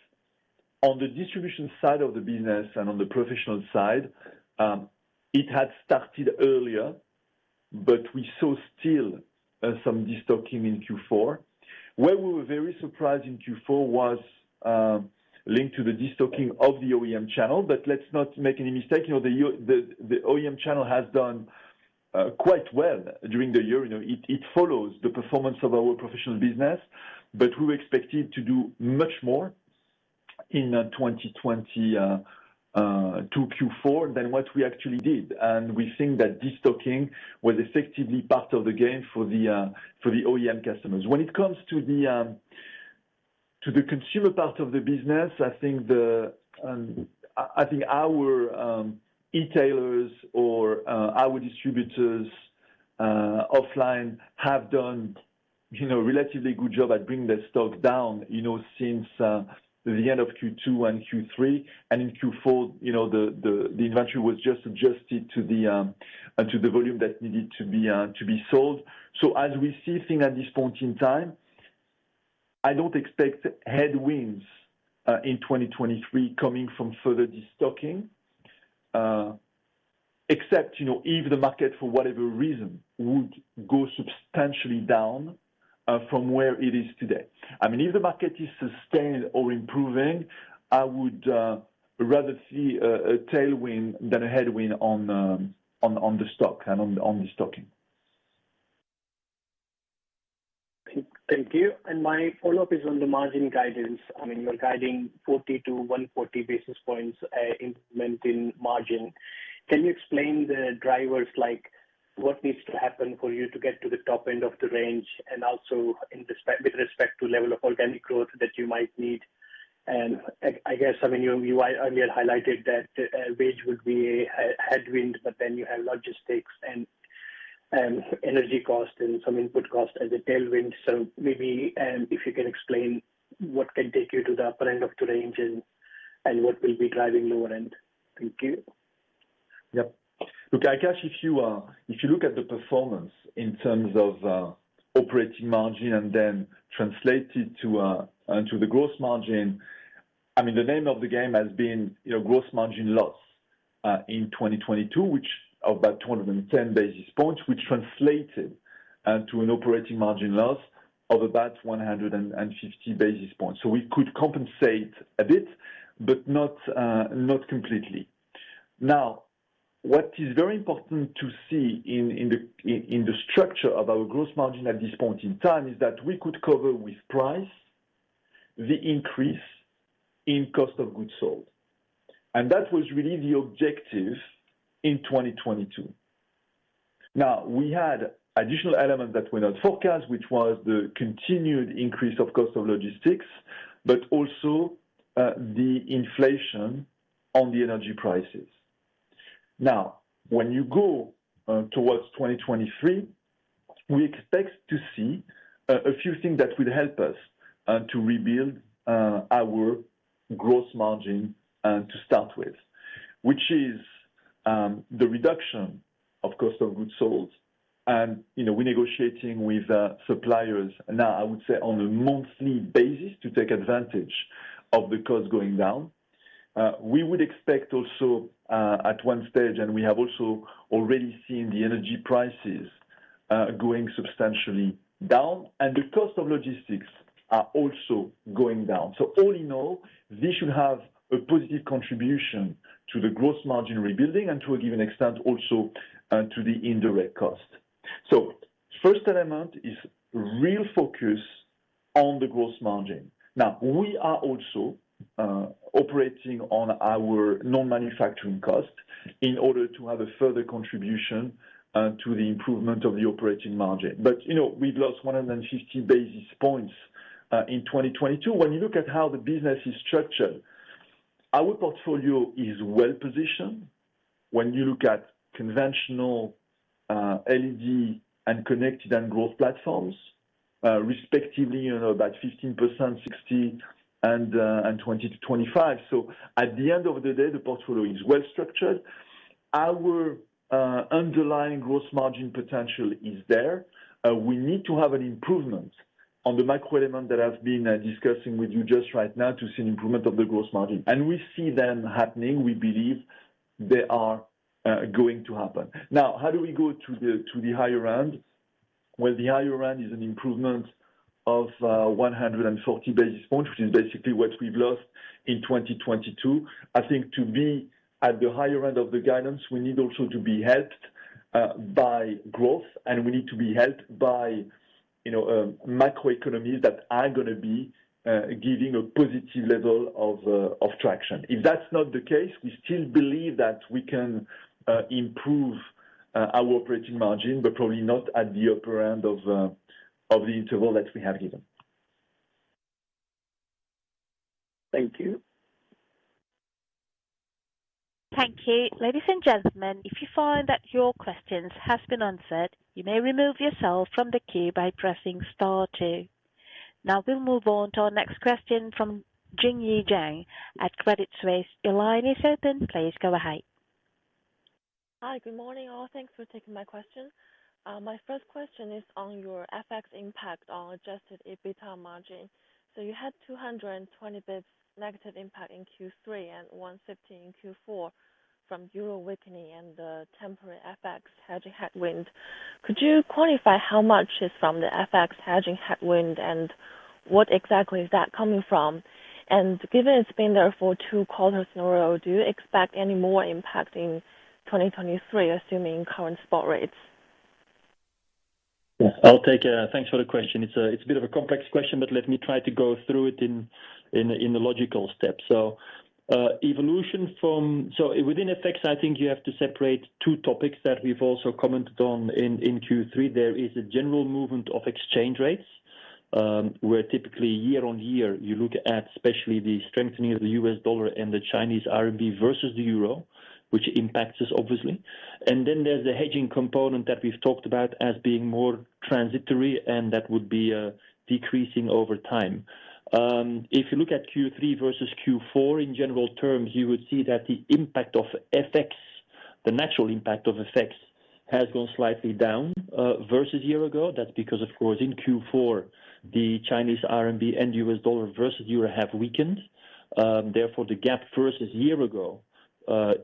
on the distribution side of the business and on the professional side, it had started earlier, but we saw still some destocking in Q4. Where we were very surprised in Q4 was linked to the destocking of the OEM channel. Let's not make any mistake, you know, the OEM channel has done quite well during the year. You know, it follows the performance of our professional business. We were expected to do much more in 2022 Q4 than what we actually did. We think that destocking was effectively part of the game for the OEM customers. When it comes to the to the consumer part of the business, I think the I think our e-tailers or our distributors offline have done, you know, a relatively good job at bringing their stock down, you know, since the end of Q2 and Q3. In Q4, you know, the the the inventory was just adjusted to the to the volume that needed to be to be sold. As we see things at this point in time, I don't expect headwinds in 2023 coming from further destocking, except, you know, if the market, for whatever reason, would go substantially down from where it is today. I mean, if the market is sustained or improving, I would rather see a a tailwind than a headwind on on the stock and on the destocking. Thank you. My follow-up is on the margin guidance. I mean, you're guiding 40 to 140 basis points increment in margin. Can you explain the drivers, like what needs to happen for you to get to the top end of the range and also with respect to level of organic growth that you might need? I guess, I mean, you earlier highlighted that wage would be a headwind, but then you have logistics and energy costs and some input costs as a tailwind. Maybe, if you can explain what can take you to the upper end of the range and what will be driving lower end. Thank you. Look, I guess if you, if you look at the performance in terms of operating margin and then translate it to the gross margin, I mean the name of the game has been, you know, gross margin loss, in 2022, which about 210 basis points, which translated, to an operating margin loss of about 150 basis points. We could compensate a bit, but not completely. Now, what is very important to see in, in the structure of our gross margin at this point in time is that we could cover with price the increase in cost of goods sold. That was really the objective in 2022. We had additional elements that were not forecast, which was the continued increase of cost of logistics, but also, the inflation on the energy prices. When you go towards 2023, we expect to see a few things that will help us to rebuild our gross margin to start with, which is the reduction of cost of goods sold. You know, we're negotiating with suppliers now, I would say, on a monthly basis to take advantage of the cost going down. We would expect also at one stage, and we have also already seen the energy prices going substantially down, and the cost of logistics are also going down. All in all, this should have a positive contribution to the gross margin rebuilding and to a given extent also to the indirect cost. First element is real focus on the gross margin. Now, we are also operating on our non-manufacturing costs in order to have a further contribution to the improvement of the operating margin. You know, we've lost 150 basis points in 2022. When you look at how the business is structured, our portfolio is well-positioned when you look at conventional, LED and connected and growth platforms, respectively, you know, about 15%, 60% and 20% to 25%. At the end of the day, the portfolio is well-structured. Our underlying gross margin potential is there. We need to have an improvement on the micro element that I've been discussing with you just right now to see an improvement of the gross margin. We see them happening. We believe they are going to happen. How do we go to the higher end? The higher end is an improvement of 140 basis points, which is basically what we've lost in 2022. I think to be at the higher end of the guidance, we need also to be helped by growth, and we need to be helped by, you know, macroeconomies that are gonna be giving a positive level of traction. If that's not the case, we still believe that we can improve our operating margin, but probably not at the upper end of the interval that we have given. Thank you. Thank you. Ladies and gentlemen, if you find that your questions has been answered, you may remove yourself from the queue by pressing star 2. We'll move on to our next question from Jingye Zheng at Crédit Suisse. Your line is open. Please go ahead. Hi. Good morning, all. Thanks for taking my question. My first question is on your FX impact on adjusted EBITDA margin. You had 220 bits negative impact in Q3 and 150 in Q4 from euro weakening and the temporary FX hedging headwind. Could you quantify how much is from the FX hedging headwind, and what exactly is that coming from? Given it's been there for 2 quarters in a row, do you expect any more impact in 2023, assuming current spot rates? I'll take it. Thanks for the question. It's a bit of a complex question, but let me try to go through it in a logical step. Evolution from. Within FX, I think you have to separate two topics that we've also commented on in Q3. There is a general movement of exchange rates, where typically year-on-year, you look at especially the strengthening of the US dollar and the Chinese RMB versus the euro, which impacts us obviously. Then there's the hedging component that we've talked about as being more transitory, and that would be decreasing over time. If you look at Q3 versus Q4, in general terms, you would see that the impact of FX, the natural impact of FX, has gone slightly down versus year ago. That's because, of course, in Q4, the Chinese RMB and U.S. dollar versus euro have weakened. Therefore, the gap versus year-ago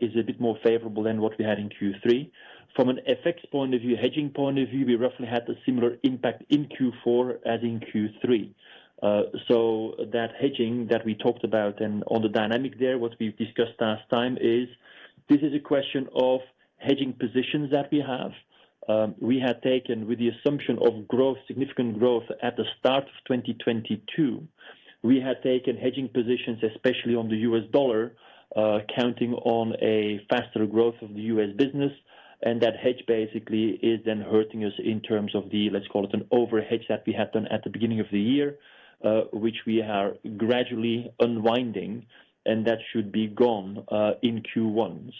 is a bit more favorable than what we had in Q3. From an FX point of view, hedging point of view, we roughly had a similar impact in Q4 as in Q3. That hedging that we talked about and on the dynamic there, what we've discussed last time is this is a question of hedging positions that we have We had taken with the assumption of growth, significant growth at the start of 2022. We had taken hedging positions, especially on the US dollar, counting on a faster growth of the U.S. business. That hedge basically is then hurting us in terms of the, let's call it an over hedge that we had done at the beginning of the year, which we are gradually unwinding, and that should be gone in Q1.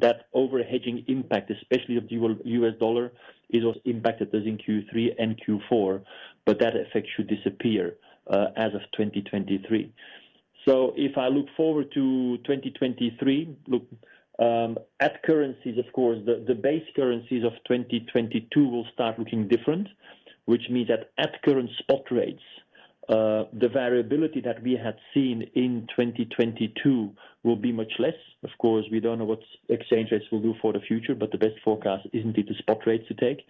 That over hedging impact, especially of the US dollar, is also impacted as in Q3 and Q4, but that effect should disappear as of 2023. If I look forward to 2023, look at currencies, of course, the base currencies of 2022 will start looking different, which means that at current spot rates, the variability that we had seen in 2022 will be much less. Of course, we don't know what exchange rates will do for the future, but the best forecast isn't it the spot rates to take.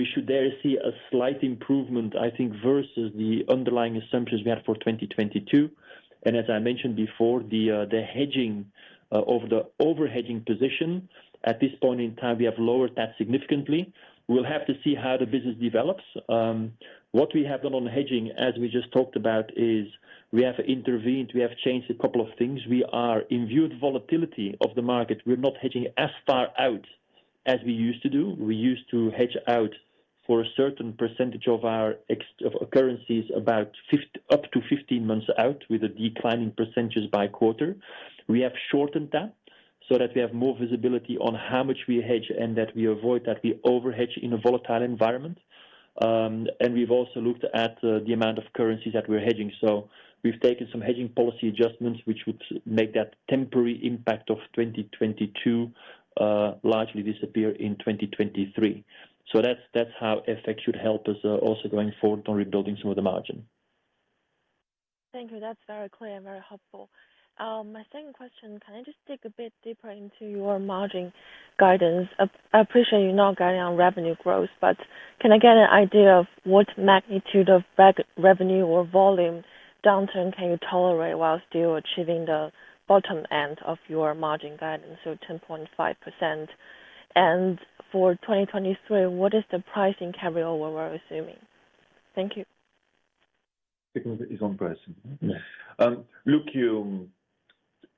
We should dare see a slight improvement, I think, versus the underlying assumptions we have for 2022. As I mentioned before, the hedging of the over hedging position at this point in time, we have lowered that significantly. We'll have to see how the business develops. What we have done on hedging, as we just talked about, is we have intervened. We have changed a couple of things. We are in viewed volatility of the market. We're not hedging as far out as we used to do. We used to hedge out for a certain % of our of currencies up to 15 months out with a declining % by quarter. We have shortened that so that we have more visibility on how much we hedge and that we avoid that we overhedge in a volatile environment. We've also looked at the amount of currencies that we're hedging. We've taken some hedging policy adjustments, which would make that temporary impact of 2022 largely disappear in 2023. That's how effect should help us also going forward on rebuilding some of the margin. Thank you. That's very clear and very helpful. My second question, can I just dig a bit deeper into your margin guidance? I appreciate you're not guiding on revenue growth, but can I get an idea of what magnitude of revenue or volume downturn can you tolerate while still achieving the bottom end of your margin guidance of 10.5%? For 2023, what is the pricing carryover we're assuming? Thank you. Take it Yvan Preston. Yes. Look,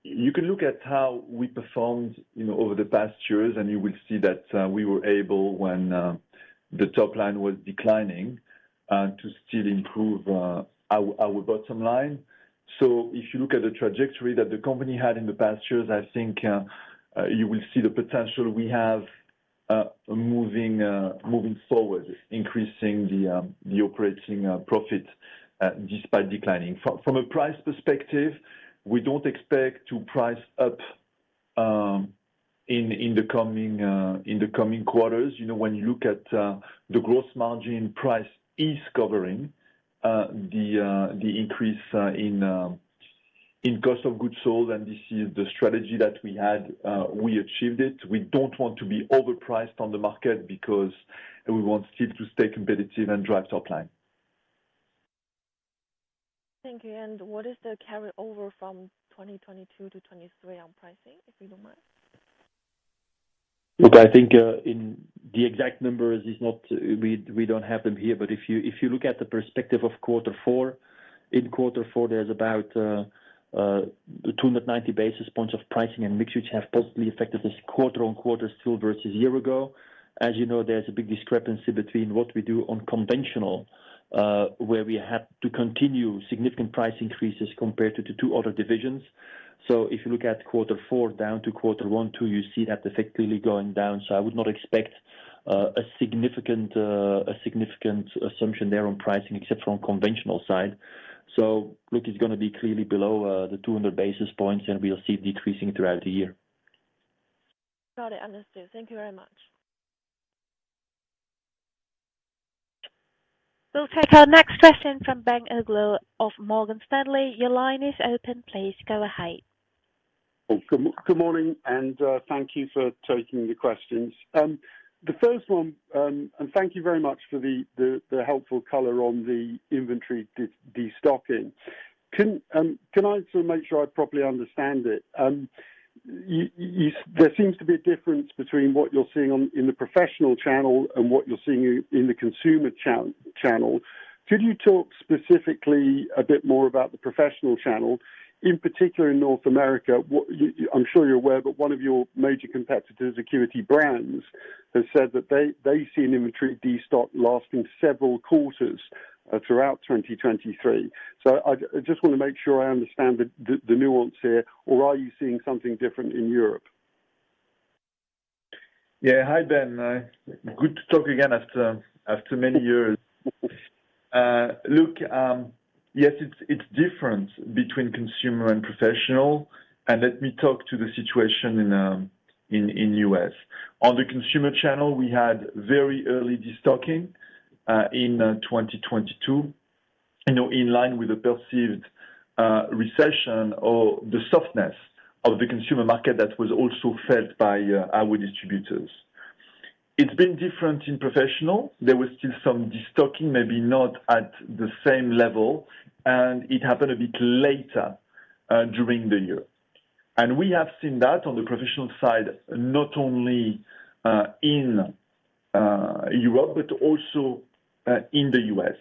you can look at how we performed, you know, over the past years, and you will see that we were able when the top line was declining to still improve our bottom line. If you look at the trajectory that the company had in the past years, I think, you will see the potential we have moving forward, increasing the operating profit despite declining. From a price perspective, we don't expect to price up in the coming quarters. When you look at the gross margin price is covering the increase in cost of goods sold, and this is the strategy that we had, we achieved it. We don't want to be overpriced on the market because we want still to stay competitive and drive top line. Thank you. What is the carryover from 2022 to 2023 on pricing, if you don't mind? I think, in the exact numbers, we don't have them here. If you look at the perspective of quarter four, in quarter four, there's about 290 basis points of pricing and mix which have positively affected this quarter-on-quarter still versus year ago. As you know, there's a big discrepancy between what we do on conventional, where we had to continue significant price increases compared to the two other divisions. If you look at quarter four down to quarter one, two, you see that effect clearly going down. I would not expect a significant, a significant assumption there on pricing except from conventional side. It's gonna be clearly below the 200 basis points and we'll see it decreasing throughout the year. Got it. Understood. Thank you very much. We'll take our next question from Ben Uglow of Morgan Stanley. Your line is open. Please go ahead. Good morning, thank you for taking the questions. The first one, thank you very much for the helpful caller on the inventory destocking. Can I sort of make sure I properly understand it? There seems to be a difference between what you're seeing on, in the professional channel and what you're seeing in the consumer channel. Could you talk specifically a bit more about the professional channel, in particular in North America? I'm sure you're aware, one of your major competitors, Acuity Brands, has said that they see an inventory destock lasting several quarters throughout 2023. I just wanna make sure I understand the nuance here or are you seeing something different in Europe? Hi, Ben. Good to talk again after many years. Look, yes, it's different between consumer and professional. Let me talk to the situation in the U.S. On the consumer channel, we had very early destocking in 2022, you know, in line with the perceived recession or the softness of the consumer market that was also felt by our distributors. It's been different in professional. There was still some destocking, maybe not at the same level, and it happened a bit later during the year. We have seen that on the professional side, not only in Europe, but also in the U.S.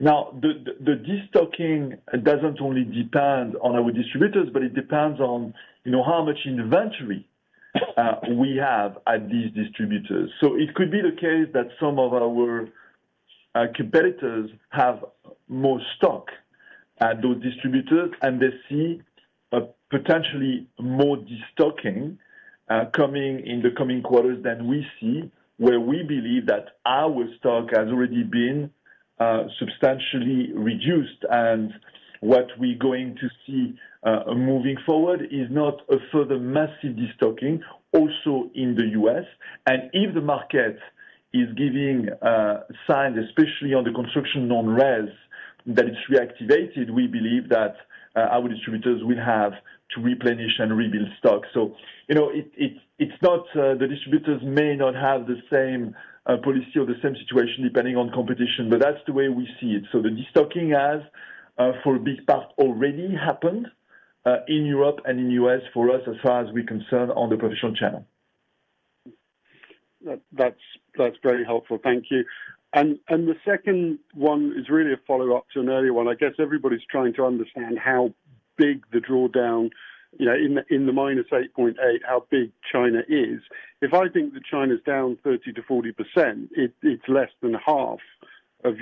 Now, the destocking doesn't only depend on our distributors, but it depends on, you know, how much inventory we have at these distributors. It could be the case that some of our competitors have more stock at those distributors, and they see a potentially more destocking coming in the coming quarters than we see, where we believe that our stock has already been substantially reduced. What we're going to see moving forward is not a further massive destocking also in the U.S. If the market is giving signs, especially on the construction non-res, that it's reactivated, we believe that our distributors will have to replenish and rebuild stock. You know, it's not the distributors may not have the same policy or the same situation depending on competition, but that's the way we see it. The destocking has for a big part already happened in Europe and in U.S. for us as far as we're concerned on the professional channel. That's very helpful. Thank you. The second one is really a follow-up to an earlier one. I guess everybody's trying to understand how big the drawdown, you know, in the -8.8%, how big China is. If I think that China's down 30% to 40%, it's less than half of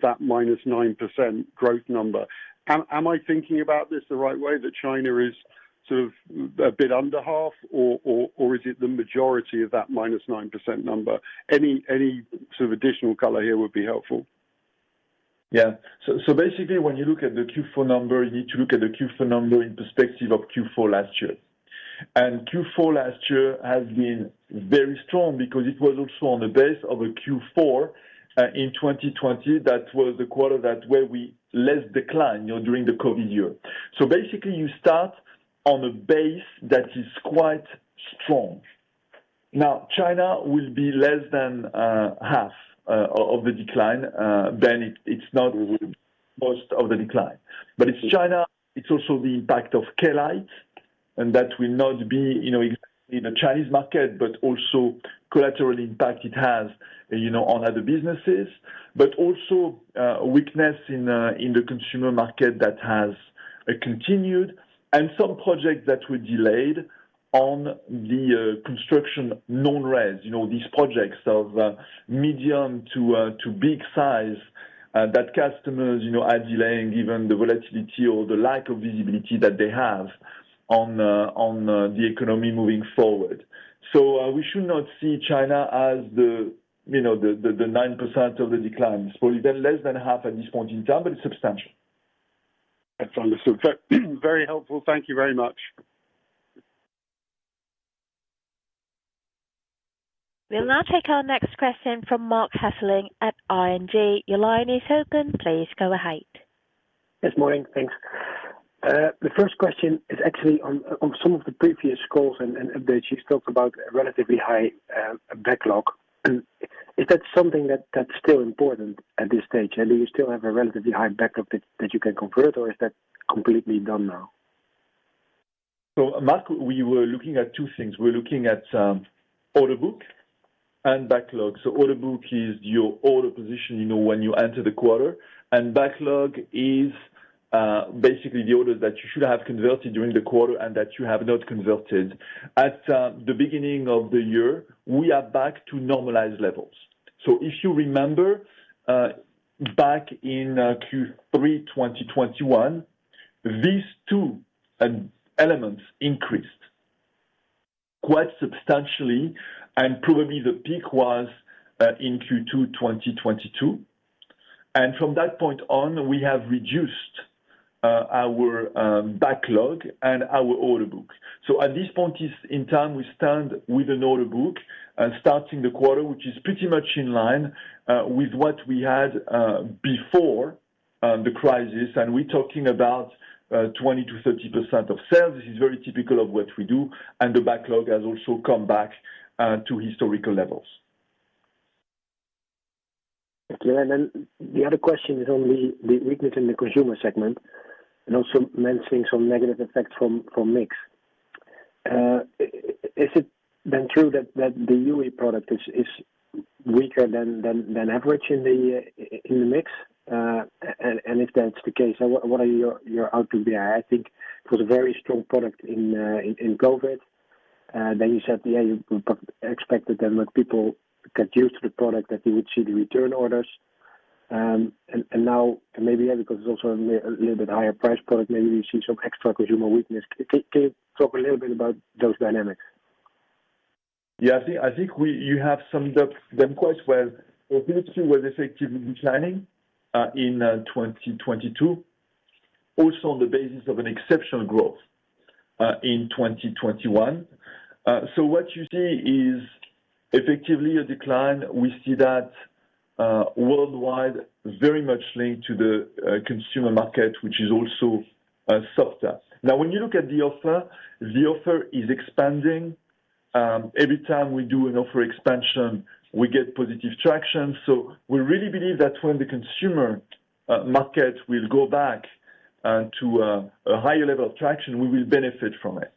that -9% growth number. Am I thinking about this the right way, that China is sort of a bit under half or is it the majority of that -9% number? Any sort of additional caller here would be helpful. Basically when you look at the Q4 number, you need to look at the Q4 number in perspective of Q4 last year. Q4 last year has been very strong because it was also on the base of a Q4 in 2020, that was the quarter that where we less decline, you know, during the COVID year. Basically you start on a base that is quite strong. China will be less than half of the decline, then it's not most of the decline. It's China, it's also the impact of Kloudlite, and that will not be, you know, exactly the Chinese market, but also collateral impact it has, you know, on other businesses. Also, weakness in the consumer market that has continued and some projects that were delayed on the construction non-res, you know, these projects of medium to big size, that customers, you know, are delaying given the volatility or the lack of visibility that they have on the economy moving forward. We should not see China as the, you know, the 9% of the decline. It's probably been less than half at this point in time, but it's substantial. That's understood. Very helpful. Thank you very much. We'll now take our next question from Maarten Hesselink at ING. Your line is open. Please go ahead. Yes, Maureen. Thanks. The first question is actually on some of the previous calls and updates, you spoke about a relatively high backlog. Is that something that's still important at this stage? Do you still have a relatively high backlog that you can convert, or is that completely done now? Marc, we were looking at two things. We're looking at order book and backlog. Order book is your order position, you know, when you enter the quarter. Backlog is basically the orders that you should have converted during the quarter and that you have not converted. At the beginning of the year, we are back to normalized levels. If you remember, back in Q3 2021, these two elements increased quite substantially, and probably the peak was in Q2 2022. From that point on, we have reduced our backlog and our order books. At this point in time, we stand with an order book starting the quarter, which is pretty much in line with what we had before the crisis, and we're talking about 20% to 30% of sales. This is very typical of what we do, and the backlog has also come back to historical levels. Okay. The other question is on the weakness in the consumer segment and also mentioning some negative effect from mix. Is it been true that the Hue product is weaker than average in the mix? If that's the case, what are your outlook there? I think it was a very strong product in COVID. You said, you expected that when people got used to the product that you would see the return orders. Now maybe, because it's also a little bit higher price product, maybe we see some extra consumer weakness. Can you talk a little bit about those dynamics? I think you have summed up them quite well. Ability was effectively declining in 2022, also on the basis of an exceptional growth in 2021. What you see is effectively a decline. We see that worldwide very much linked to the consumer market, which is also softer. When you look at the offer, the offer is expanding. Every time we do an offer expansion, we get positive traction. We really believe that when the consumer market will go back to a higher level of traction, we will benefit from it.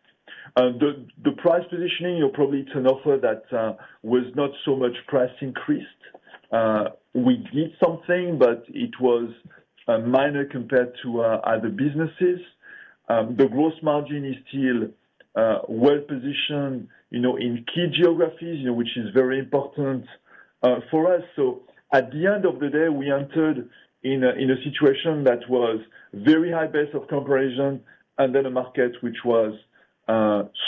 The price positioning, you're probably it's an offer that was not so much price increased. We did something, but it was minor compared to other businesses. The gross margin is still well-positioned, you know, in key geographies, you know, which is very important, for us. At the end of the day, we entered in a situation that was very high base of comparison and then a market which was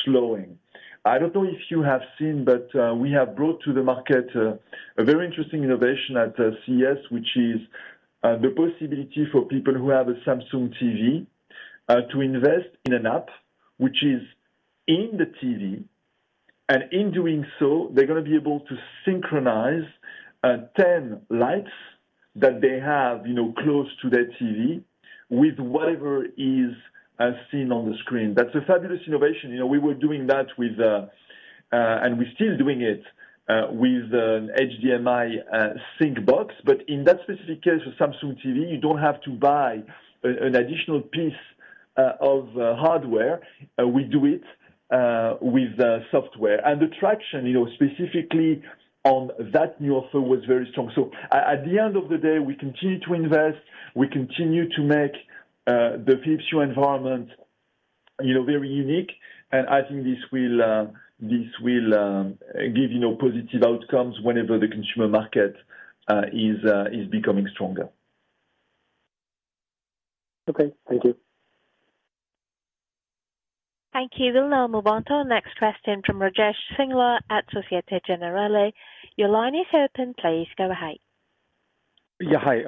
slowing. I don't know if you have seen, but, we have brought to the market, a very interesting innovation at CES, which is, the possibility for people who have a Samsung TV, to invest in an app which is in the TV. In doing so, they're gonna be able to synchronize, 10 lights that they have, you know, close to their TV with whatever is, seen on the screen. That's a fabulous innovation. You know, we were doing that with. And we're still doing it, with an HDMI sync box. In that specific case, with Samsung TV, you don't have to buy an additional piece of hardware. We do it, with the software. The traction, you know, specifically on that new offer was very strong. At the end of the day, we continue to invest, we continue to make the Philips Hue environment, you know, very unique. I think this will, this will give, you know, positive outcomes whenever the consumer market is becoming stronger. Okay. Thank you. Thank you. We'll now move on to our next question from Rajesh Singla at Societe Generale. Your line is open. Please go ahead. Hi.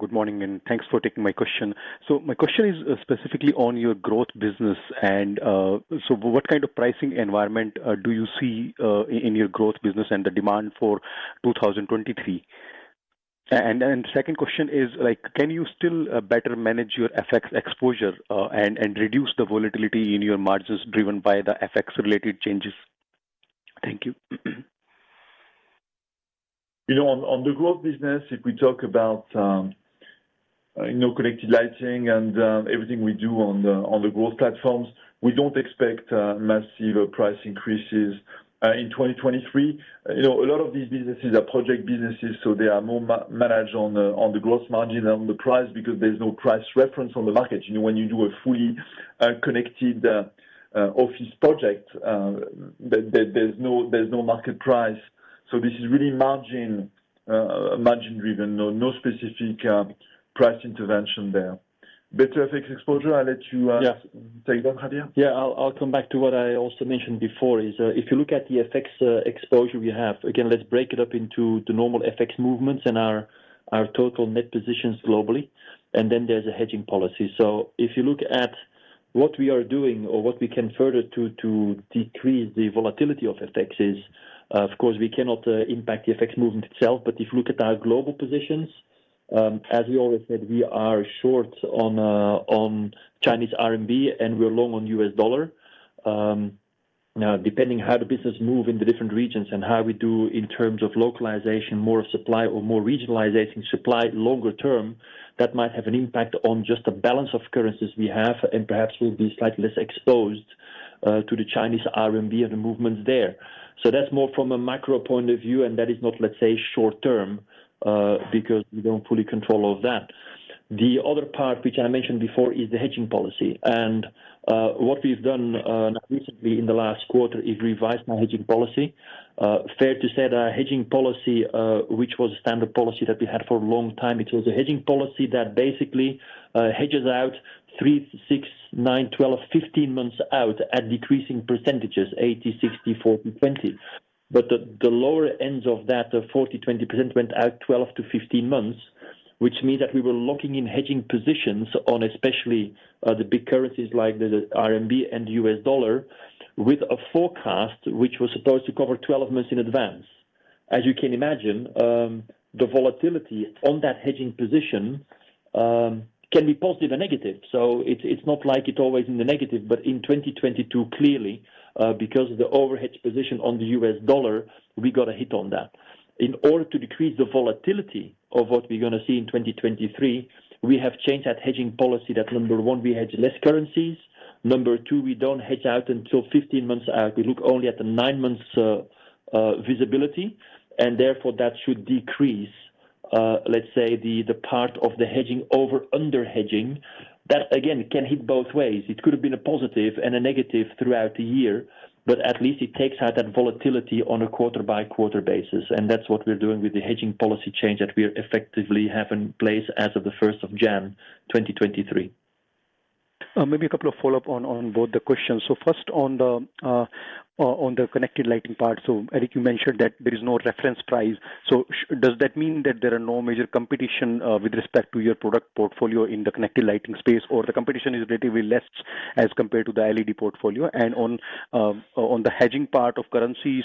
Good morning, and thanks for taking my question. My question is specifically on your growth business and so what kind of pricing environment do you see in your growth business and the demand for 2023? Second question is, like, can you still better manage your FX exposure and reduce the volatility in your margins driven by the FX related changes? Thank you. You know, on the growth business, if we talk about, you know, connected lighting and everything we do on the growth platforms, we don't expect massive price increases in 2023. You know, a lot of these businesses are project businesses, so they are more managed on the gross margin than on the price because there's no price reference on the market. You know, when you do a fully connected office project, there's no market price. This is really margin driven. No specific price intervention there. Better FX exposure, I'll let you. Take that, Javier. I'll come back to what I also mentioned before, is, if you look at the FX exposure we have, again, let's break it up into the normal FX movements and our total net positions globally, and then there's a hedging policy. If you look at what we are doing or what we can further to decrease the volatility of FX is, of course, we cannot impact the FX movement itself. If you look at our global positions, as we always said, we are short on Chinese RMB and we're long on US dollar. Now, depending how the business move in the different regions and how we do in terms of localization, more supply or more regionalization supply longer term, that might have an impact on just the balance of currencies we have and perhaps we'll be slightly less exposed to the Chinese RMB and the movements there. That's more from a macro point of view, and that is not, let's say, short term, because we don't fully control all of that. The other part which I mentioned before is the hedging policy. What we've done recently in the last quarter is revised our hedging policy. Fair to say our hedging policy, which was a standard policy that we had for a long time, it was a hedging policy that basically hedges out 3, 6, 9, 12, 15 months out at decreasing percentages, 80, 60, 40, 20%. The lower ends of that, the 40%/20% went out 12 to 15 months, which means that we were locking in hedging positions on especially the big currencies like the RMB and the US dollar with a forecast which was supposed to cover 12 months in advance. As you can imagine, the volatility on that hedging position can be positive or negative. It's not like it's always in the negative, but in 2022, clearly, because of the overhedge position on the US dollar, we got a hit on that. In order to decrease the volatility of what we're gonna see in 2023, we have changed that hedging policy that, number one, we hedge less currencies. Number two, we don't hedge out until 15 months out. We look only at the 9 months visibility, and therefore that should decrease let's say the part of the hedging over under hedging. That, again, can hit both ways. It could have been a positive and a negative throughout the year, but at least it takes out that volatility on a quarter-by-quarter basis. That's what we're doing with the hedging policy change that we effectively have in place as of the first of January 2023. Maybe a couple of follow-up on both the questions. First on the connected lighting part. Eric, you mentioned that there is no reference price. Does that mean that there are no major competition with respect to your product portfolio in the connected lighting space, or the competition is relatively less as compared to the LED portfolio? On the hedging part of currency,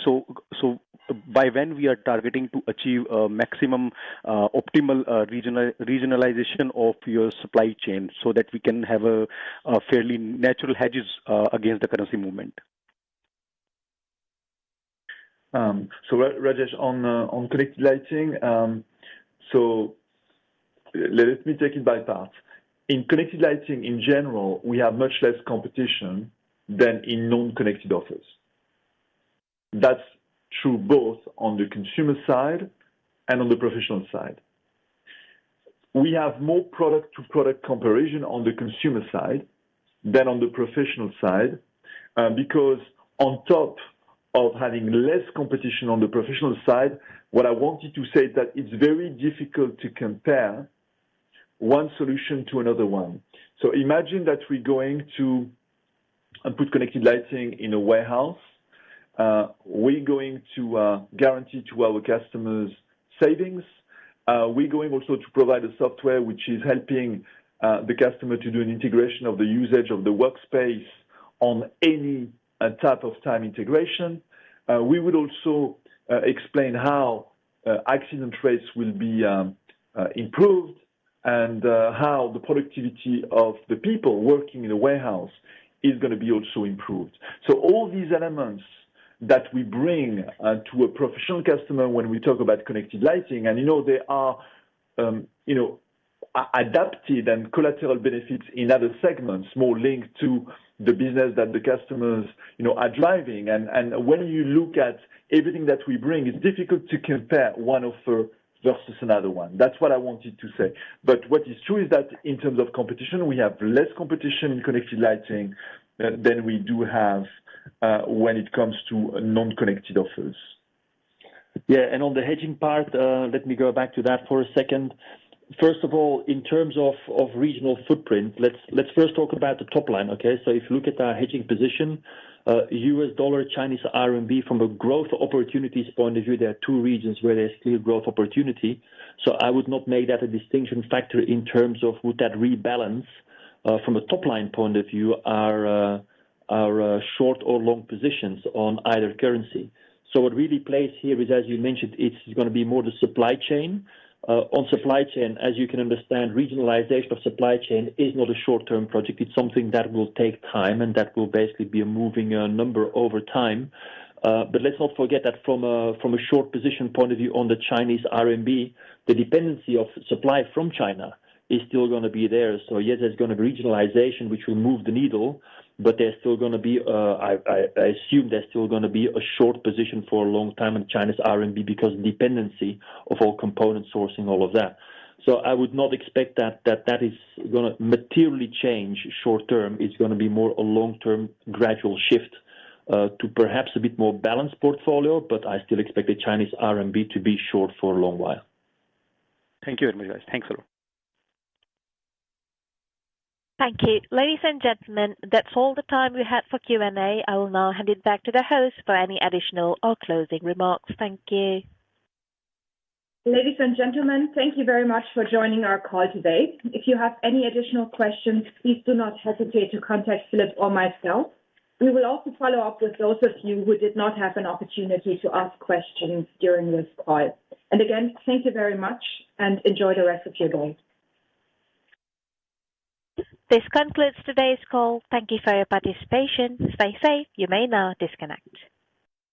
by when we are targeting to achieve maximum optimal regionalization of your supply chain so that we can have a fairly natural hedges against the currency movement? Rajesh, on connected lighting, let me take it by part. In connected lighting in general, we have much less competition than in non-connected offers. That's true both on the consumer side and on the professional side. We have more product-to-product comparison on the consumer side than on the professional side, because on top of having less competition on the professional side, what I wanted to say is that it's very difficult to compare one solution to another one. Imagine that we're going to put connected lighting in a warehouse. We're going to guarantee to our customers savings. We're going also to provide a software which is helping the customer to do an integration of the usage of the workspace on any type of time integration. We would also explain how accident rates will be improved and how the productivity of the people working in the warehouse is gonna be also improved. All these elements that we bring to a professional customer when we talk about connected lighting and, you know, they are, you know, adapted and collateral benefits in other segments, more linked to the business that the customers, you know, are driving. When you look at everything that we bring, it's difficult to compare one offer versus another one. That's what I wanted to say. What is true is that in terms of competition, we have less competition in connected lighting than we do have when it comes to non-connected offers. On the hedging part, let me go back to that for a second. First of all, in terms of regional footprint, let's first talk about the top line, okay? If you look at our hedging position, US dollar, Chinese RMB, from a growth opportunities point of view, there are two regions where there's clear growth opportunity. I would not make that a distinction factor in terms of would that rebalance from a top-line point of view, our short or long positions on either currency. What really plays here is, as you mentioned, it's gonna be more the supply chain. On supply chain, as you can understand, regionalization of supply chain is not a short-term project. It's something that will take time, that will basically be moving a number over time. Let's not forget that from a, from a short position point of view on the Chinese RMB, the dependency of supply from China is still gonna be there. Yes, there's gonna be regionalization, which will move the needle, but there's still gonna be, I assume there's still gonna be a short position for a long time on China's RMB because dependency of all component sourcing, all of that. I would not expect that that is gonna materially change short-term. It's gonna be more a long-term gradual shift to perhaps a bit more balanced portfolio, but I still expect the Chinese RMB to be short for a long while. Thank you very much. Thanks a lot. Thank you. Ladies and gentlemen, that's all the time we have for Q&A. I will now hand it back to the host for any additional or closing remarks. Thank you. Ladies and gentlemen, thank you very much for joining our call today. If you have any additional questions, please do not hesitate to contact Philip or myself. We will also follow up with those of you who did not have an opportunity to ask questions during this call. Again, thank you very much and enjoy the rest of your day. This concludes today's call. Thank you for your participation. Stay safe. You may now disconnect.